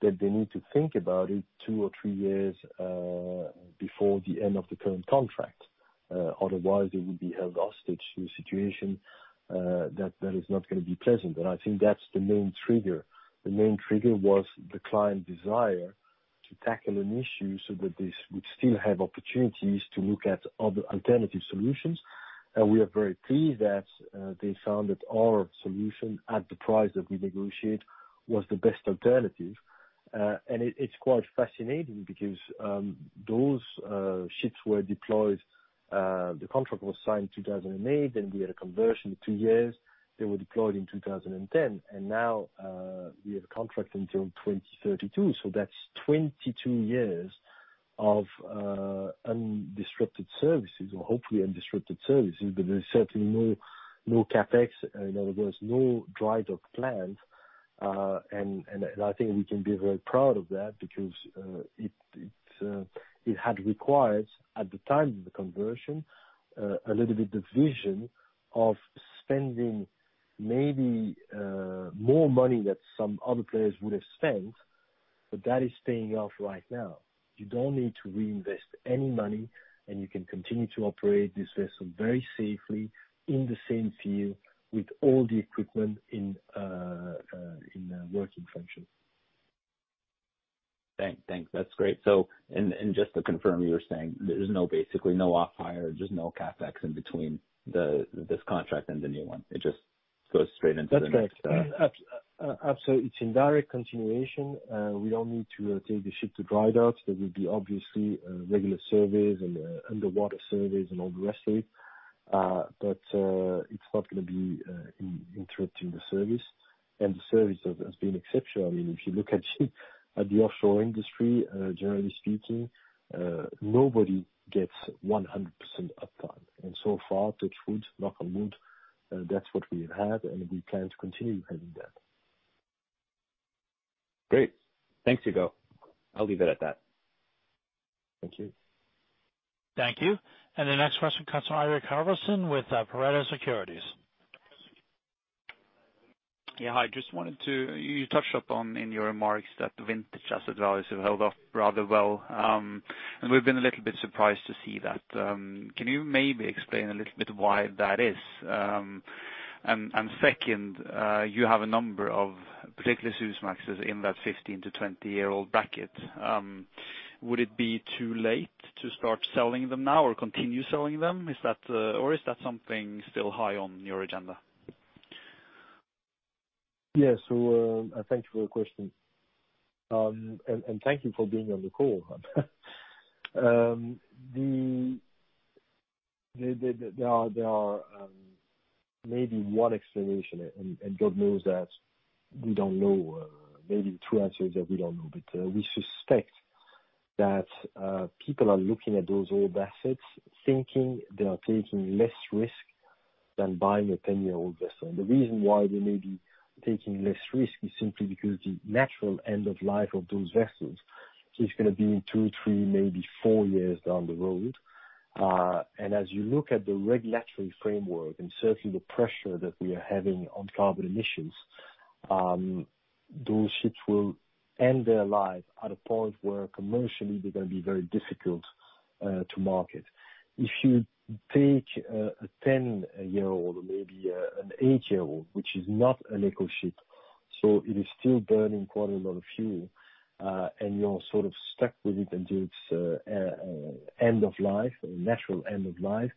that they need to think about it two or three years, before the end of the current contract. Otherwise they will be held hostage to a situation that is not going to be pleasant. I think that's the main trigger. The main trigger was the client desire to tackle an issue so that they would still have opportunities to look at other alternative solutions. We are very pleased that they found that our solution, at the price that we negotiate, was the best alternative. It's quite fascinating because those ships were deployed. The contract was signed 2008, then we had a conversion, two years. They were deployed in 2010, and now we have a contract until 2032, so that's 22 years of undisrupted services, or hopefully undisrupted services. There's certainly no CapEx. In other words, no dry dock planned. I think we can be very proud of that because it had required, at the time of the conversion, a little bit of vision, of spending maybe more money that some other players would have spent. That is paying off right now. You don't need to reinvest any money, and you can continue to operate this vessel very safely in the same field with all the equipment in working function. Thanks. That's great. Just to confirm, you were saying there is basically no off-hire, just no CapEx in between this contract and the new one? It just goes straight into the next- That's correct. Absolutely. It's in direct continuation. We don't need to take the ship to dry docks. There will be obviously regular surveys and underwater surveys and all the rest of it. It's not going to be interrupting the service. The service has been exceptional. I mean, if you look at the offshore industry, generally speaking, nobody gets 100% uptime. So far, touch wood, knock on wood, that's what we have had, and we plan to continue having that. Great. Thanks, Hugo. I'll leave it at that. Thank you. Thank you. The next question comes from Eirik Haavaldsen with Pareto Securities. Yeah. You touched upon in your remarks that vintage asset values have held up rather well. We've been a little bit surprised to see that. Can you maybe explain a little bit why that is? Second, you have a number of particularly Suezmaxes in that 15-20-year-old bracket. Would it be too late to start selling them now or continue selling them? Is that something still high on your agenda? Thank you for your question. Thank you for being on the call. There are maybe one explanation, and God knows that we don't know, maybe two answers that we don't know. We suspect that people are looking at those old assets thinking they are taking less risk than buying a 10-year-old vessel. The reason why they may be taking less risk is simply because the natural end of life of those vessels is going to be in two, three, maybe four years down the road. As you look at the regulatory framework and certainly the pressure that we are having on carbon emissions, those ships will end their life at a point where commercially they're going to be very difficult to market. If you take a 10-year-old or maybe an eight-year-old, which is not an eco ship, so it is still burning quite a lot of fuel, and you're sort of stuck with it until its end of life, natural end of life,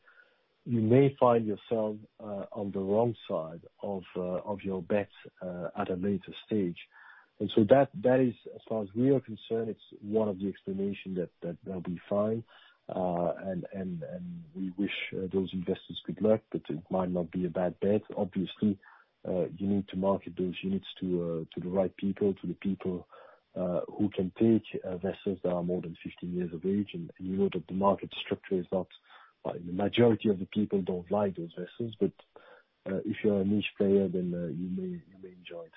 you may find yourself on the wrong side of your bets at a later stage. That is, as far as we are concerned, it's one of the explanations that they'll be fine. We wish those investors good luck. It might not be a bad bet. Obviously, you need to market those units to the right people, to the people who can take vessels that are more than 15 years of age. You know that the market structure is not. The majority of the people don't like those vessels. If you are a niche player, you may enjoy it.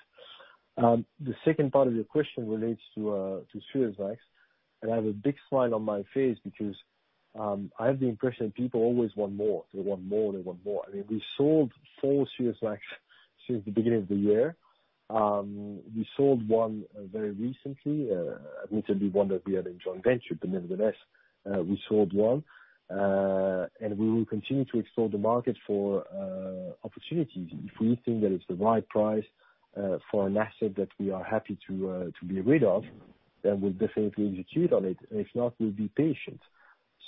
The second part of your question relates to Suezmax, I have a big smile on my face because I have the impression people always want more. They want more. We sold four Suezmax since the beginning of the year. We sold one very recently, admittedly one that we had a joint venture, nevertheless, we sold one. We will continue to explore the market for opportunities. If we think that it's the right price for an asset that we are happy to be rid of, we'll definitely execute on it. If not, we'll be patient.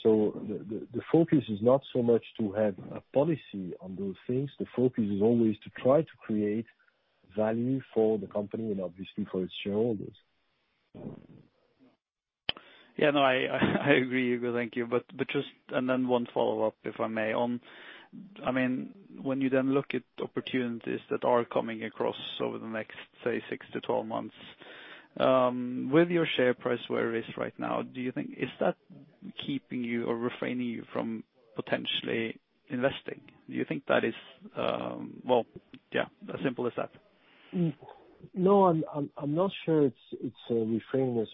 The focus is not so much to have a policy on those things. The focus is always to try to create value for the company and obviously for its shareholders. Yeah. No, I agree, Hugo. Thank you. Then one follow-up, if I may. When you then look at opportunities that are coming across over the next, say, six to 12 months, with your share price where it is right now, do you think, is that keeping you or refraining you from potentially investing? Do you think that is, well, yeah, as simple as that. I'm not sure it's refraining us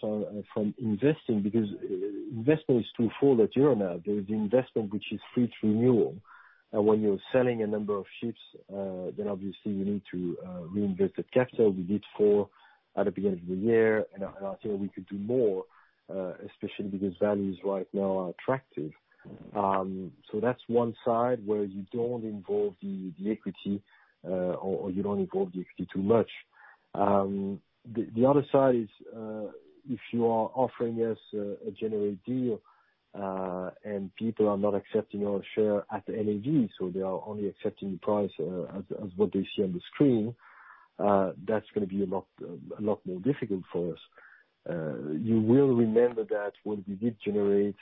from investing because investing is twofold at Euronav. There is investment which is fleet renewal. When you're selling a number of ships, obviously you need to reinvest the capital. We did four at the beginning of the year, I think we could do more, especially because values right now are attractive. That's one side where you don't involve the equity or you don't involve the equity too much. The other side is if you are offering us a Gener8 deal, people are not accepting our share at the NAV, they are only accepting the price as what they see on the screen, that's going to be a lot more difficult for us. You will remember that when we did Gener8,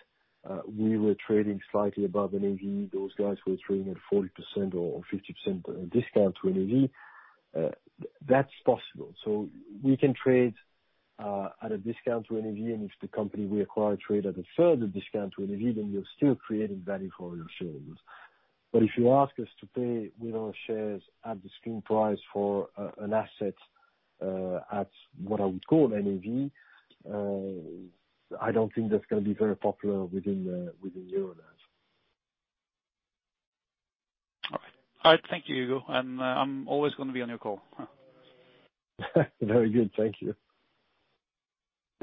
we were trading slightly above NAV. Those guys were trading at 40% or 50% discount to NAV. That's possible. We can trade at a discount to NAV, and if the company we acquire trade at a further discount to NAV, then we are still creating value for our shareholders. If you ask us to pay with our shares at the screen price for an asset at what I would call NAV, I don't think that's going to be very popular within Euronav. All right. Thank you, Hugo, and I'm always going to be on your call. Very good. Thank you.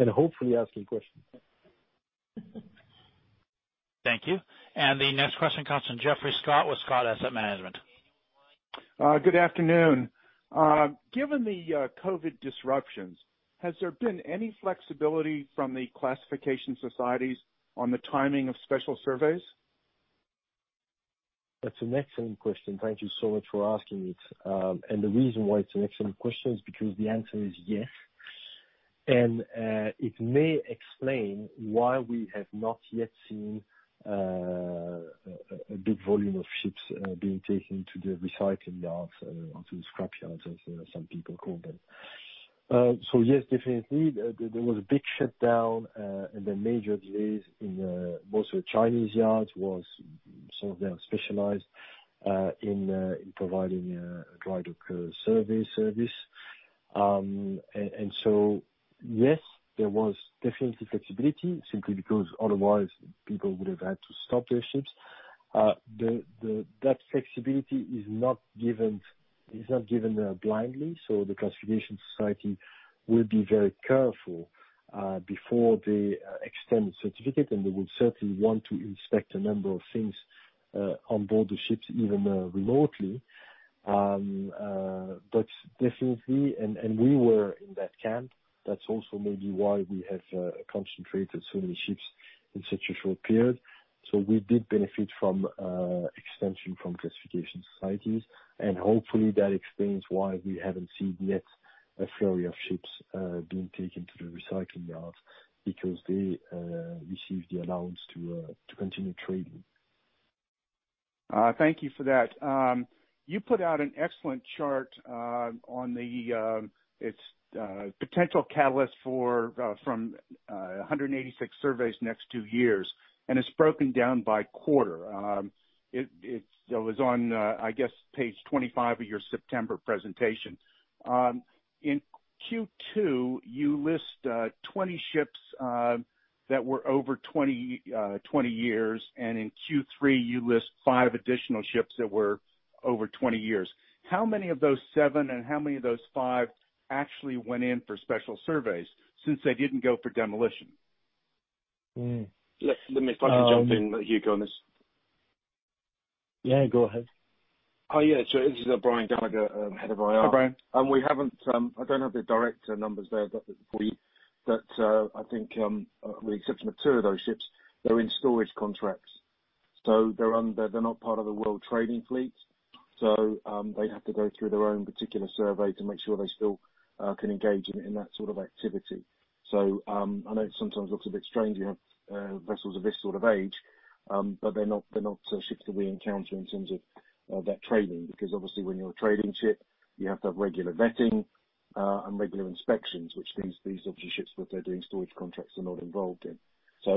Hopefully asking questions. Thank you. The next question comes from Geoffrey Scott with Scott Asset Management. Good afternoon. Given the COVID disruptions, has there been any flexibility from the classification societies on the timing of special surveys? That's an excellent question. Thank you so much for asking it. The reason why it's an excellent question is because the answer is yes. It may explain why we have not yet seen a big volume of ships being taken to the recycling yards or to the scrapyards, as some people call them. Yes, definitely, there was a big shutdown, and the major delays in mostly Chinese yards was some of them specialized in providing drydock service. Yes, there was definitely flexibility simply because otherwise people would have had to stop their ships. That flexibility is not given blindly, the classification society will be very careful before they extend the certificate, they will certainly want to inspect a number of things on board the ships, even remotely. Definitely, we were in that camp. That's also maybe why we have concentrated so many ships in such a short period. We did benefit from extension from classification societies, and hopefully that explains why we haven't seen yet a flurry of ships being taken to the recycling yard because they received the allowance to continue trading. Thank you for that. You put out an excellent chart on the potential catalyst from 186 surveys next two years. It's broken down by quarter. It was on, I guess, page 25 of your September presentation. In Q2, you list 20 ships that were over 20 years. In Q3, you list five additional ships that were over 20 years. How many of those seven and how many of those five actually went in for special surveys since they didn't go for demolition? Let me jump in, Hugo, on this. Yeah, go ahead. Oh, yeah. This is Brian Gallagher, Head of IR. Hi, Brian. I don't have the direct numbers there, but I think with the exception of two of those ships, they're in storage contracts. They're not part of the world trading fleet. They'd have to go through their own particular survey to make sure they still can engage in that sort of activity. I know it sometimes looks a bit strange, you have vessels of this sort of age, but they're not ships that we encounter in terms of that trading, because obviously when you're a trading ship, you have to have regular vetting, and regular inspections, which these obviously ships that are doing storage contracts are not involved in.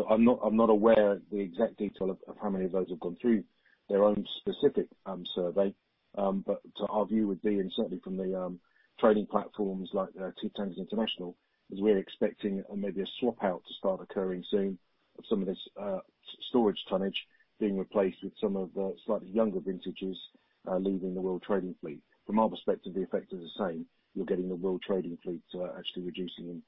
I'm not aware of the exact detail of how many of those have gone through their own specific survey. Our view would be, and certainly from the trading platforms like Tankers International, is we're expecting maybe a swap out to start occurring soon of some of this storage tonnage being replaced with some of the slightly younger vintages, leaving the world trading fleet. From our perspective, the effect is the same. You're getting the world trading fleet actually reducing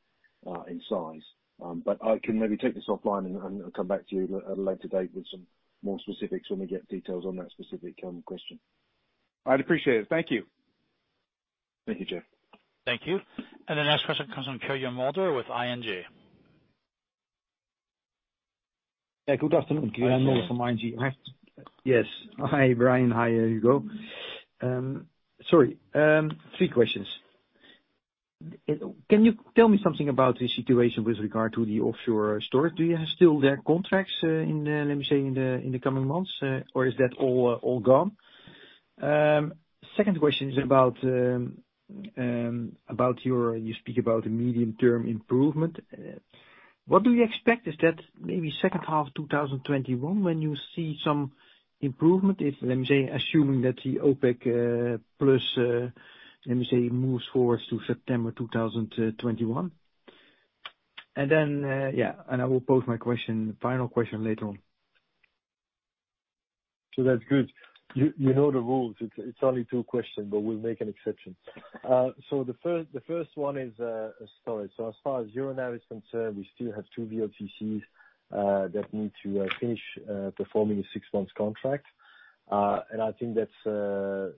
in size. I can maybe take this offline and come back to you at a later date with some more specifics when we get details on that specific question. I'd appreciate it. Thank you. Thank you, Jeff. Thank you. The next question comes from Kjell Mulder with ING. Yeah, good afternoon. Kjell Mulder from ING. Yes. Hi, Brian. Hi, Hugo. Sorry. Three questions. Can you tell me something about the situation with regard to the offshore storage? Do you have still their contracts, let me say, in the coming months? Or is that all gone? Second question is, you speak about a medium-term improvement. What do you expect is that maybe second half 2021, when you see some improvement, if, let me say, assuming that the OPEC+ moves forwards to September 2021? I will pose my final question later on. That's good. You know the rules. It's only two questions, but we'll make an exception. The first one is storage. As far as Euronav is concerned, we still have two VLCCs that need to finish performing a six-month contract. I think that's a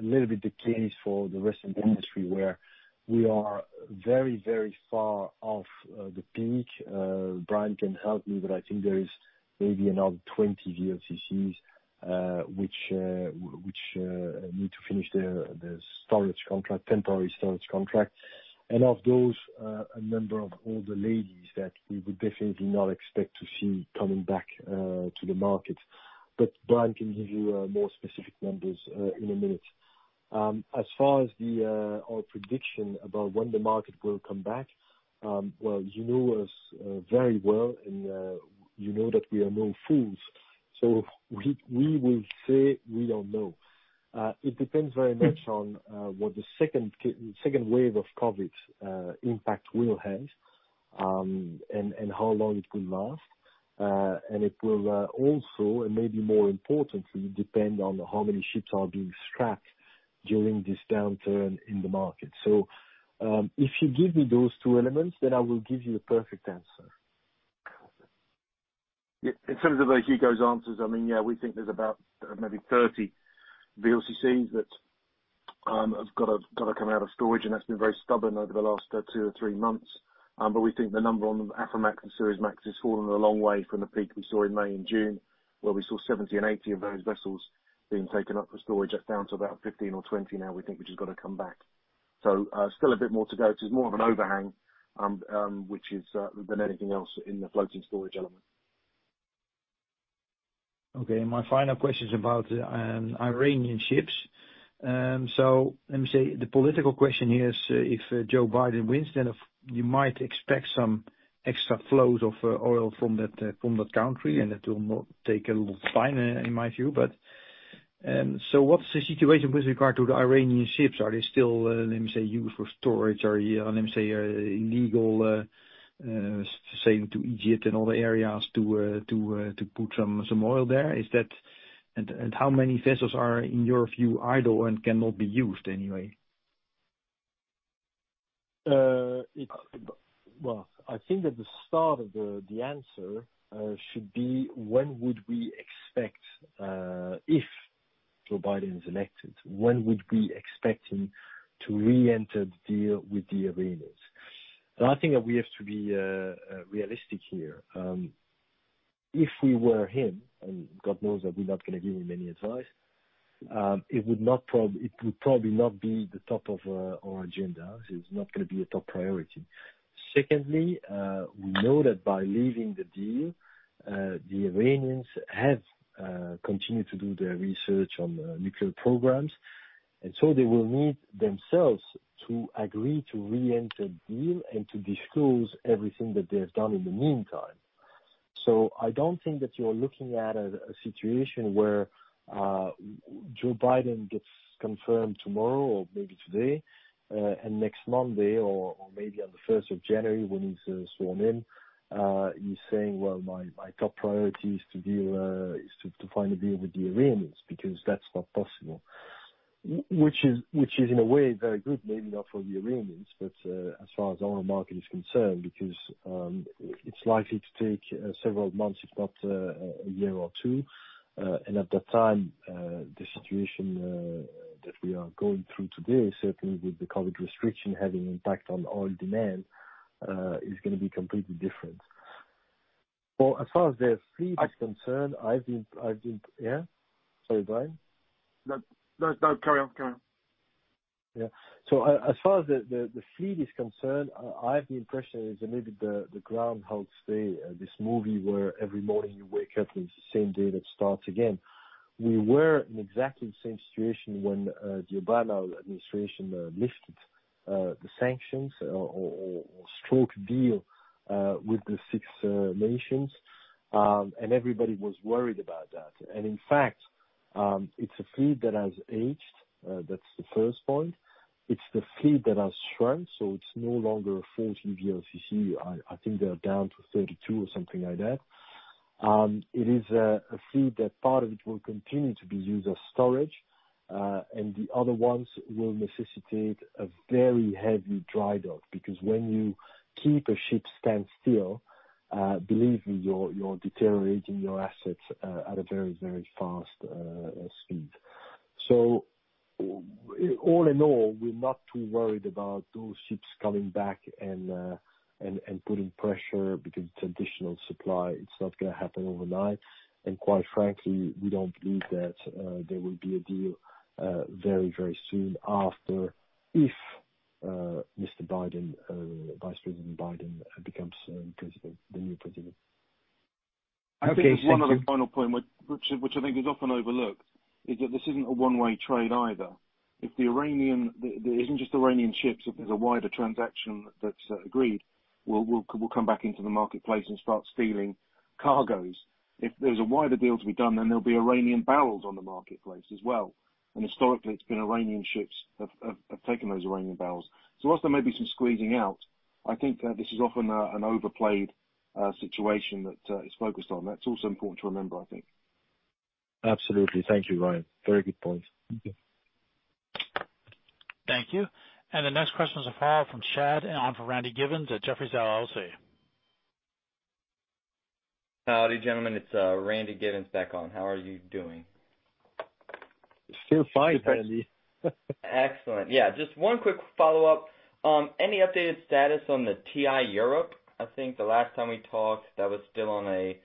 little bit the case for the rest of the industry, where we are very, very far off the peak. Brian can help me, but I think there is maybe another 20 VLCCs, which need to finish their temporary storage contract. Of those, a number of older ladies that we would definitely not expect to see coming back to the market. Brian can give you more specific numbers in a minute. As far as our prediction about when the market will come back, well, you know us very well, and you know that we are no fools. We will say we don't know. It depends very much on what the second wave of COVID impact will have, and how long it will last. It will also, and maybe more importantly, depend on how many ships are being scrapped during this downturn in the market. If you give me those two elements, then I will give you a perfect answer. Yeah. In terms of Hugo's answers, we think there's about maybe 30 VLCCs that have got to come out of storage, and that's been very stubborn over the last two or three months. We think the number on Aframax and Suezmax has fallen a long way from the peak we saw in May and June, where we saw 70 and 80 of those vessels being taken up for storage. That's down to about 15 or 20 now, we think, which has got to come back. Still a bit more to go. It's more of an overhang than anything else in the floating storage element. Okay. My final question is about Iranian ships. Let me say, the political question here is if Joe Biden wins, then you might expect some extra flows of oil from that country, and that will not take a lot of time, in my view. What's the situation with regard to the Iranian ships? Are they still, let me say, used for storage or, let me say, illegal, say, to Egypt and other areas to put some oil there? How many vessels are, in your view, idle and cannot be used anyway? Well, I think that the start of the answer should be, when would we expect, if Joe Biden is elected, when would we expect him to reenter the deal with the Iranians? I think that we have to be realistic here. If we were him, and God knows that we're not going to give him any advice, it would probably not be the top of our agenda. It's not going to be a top priority. Secondly, we know that by leaving the deal, the Iranians have continued to do their research on nuclear programs. They will need themselves to agree to reenter the deal and to disclose everything that they have done in the meantime. I don't think that you are looking at a situation where Joe Biden gets confirmed tomorrow or maybe today, next Monday or maybe on the 1st of January when he's sworn in, he's saying, "Well, my top priority is to find a deal with the Iranians," because that's not possible. Which is, in a way, very good, maybe not for the Iranians, but as far as our market is concerned, because it's likely to take several months, if not a year or two. At that time, the situation that we are going through today, certainly with the COVID restriction having impact on oil demand, is going to be completely different. Well, as far as their fleet is concerned, I've been, yeah? Sorry, Brian. No, carry on. Yeah. As far as the fleet is concerned, I have the impression is maybe the "Groundhog Day," this movie where every morning you wake up, it's the same day that starts again. We were in exactly the same situation when the Obama administration lifted the sanctions or struck a deal with the six nations, and everybody was worried about that. In fact, it's a fleet that has aged, that's the first point. It's the fleet that has shrunk, so it's no longer a 40 VLCC. I think they are down to 32 or something like that. It is a fleet that part of it will continue to be used as storage, and the other ones will necessitate a very heavy dry dock, because when you keep a ship standstill, believe me, you are deteriorating your assets at a very fast speed. All in all, we're not too worried about those ships coming back and putting pressure because traditional supply, it's not going to happen overnight. Quite frankly, we don't believe that there will be a deal very soon after, if Mr. Biden, Vice President Biden, becomes the new president. Okay. Thank you. I think there's one other final point, which I think is often overlooked, is that this isn't a one-way trade either. It isn't just Iranian ships, if there's a wider transaction that's agreed, will come back into the marketplace and start stealing cargoes. If there's a wider deal to be done, then there'll be Iranian barrels on the marketplace as well. Historically, it's been Iranian ships have taken those Iranian barrels. Whilst there may be some squeezing out, I think that this is often an overplayed situation that is focused on. That's also important to remember, I think. Absolutely. Thank you, Brian. Very good point. Thank you. Thank you. The next question is from Chad, and on for Randy Giveans at Jefferies LLC. Howdy, gentlemen. It's Randy Giveans back on. How are you doing? Still fine, Randy. Excellent. Yeah, just one quick follow-up. Any updated status on the TI Europe? I think the last time we talked, that was still on a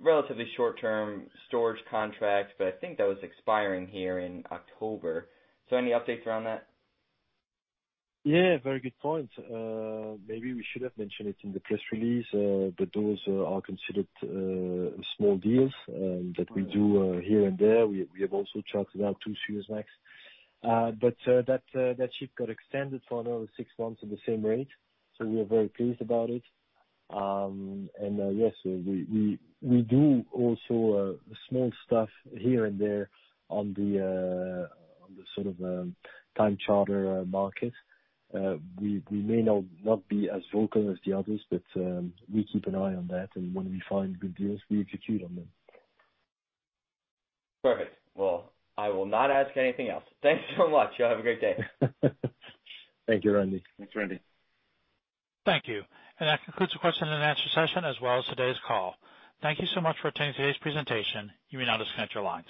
relatively short-term storage contract, but I think that was expiring here in October. Any updates around that? Yeah, very good point. Maybe we should have mentioned it in the press release, but those are considered small deals that we do here and there. We have also chartered out two Suezmaxes. That ship got extended for another six months at the same rate, so we are very pleased about it. Yes, we do also small stuff here and there on the sort of time charter market. We may not be as vocal as the others, but we keep an eye on that, and when we find good deals, we execute on them. Perfect. Well, I will not ask anything else. Thanks so much. Y'all have a great day. Thank you, Randy. Thanks, Randy. Thank you. That concludes the question and answer session, as well as today's call. Thank you so much for attending today's presentation. You may now disconnect your lines.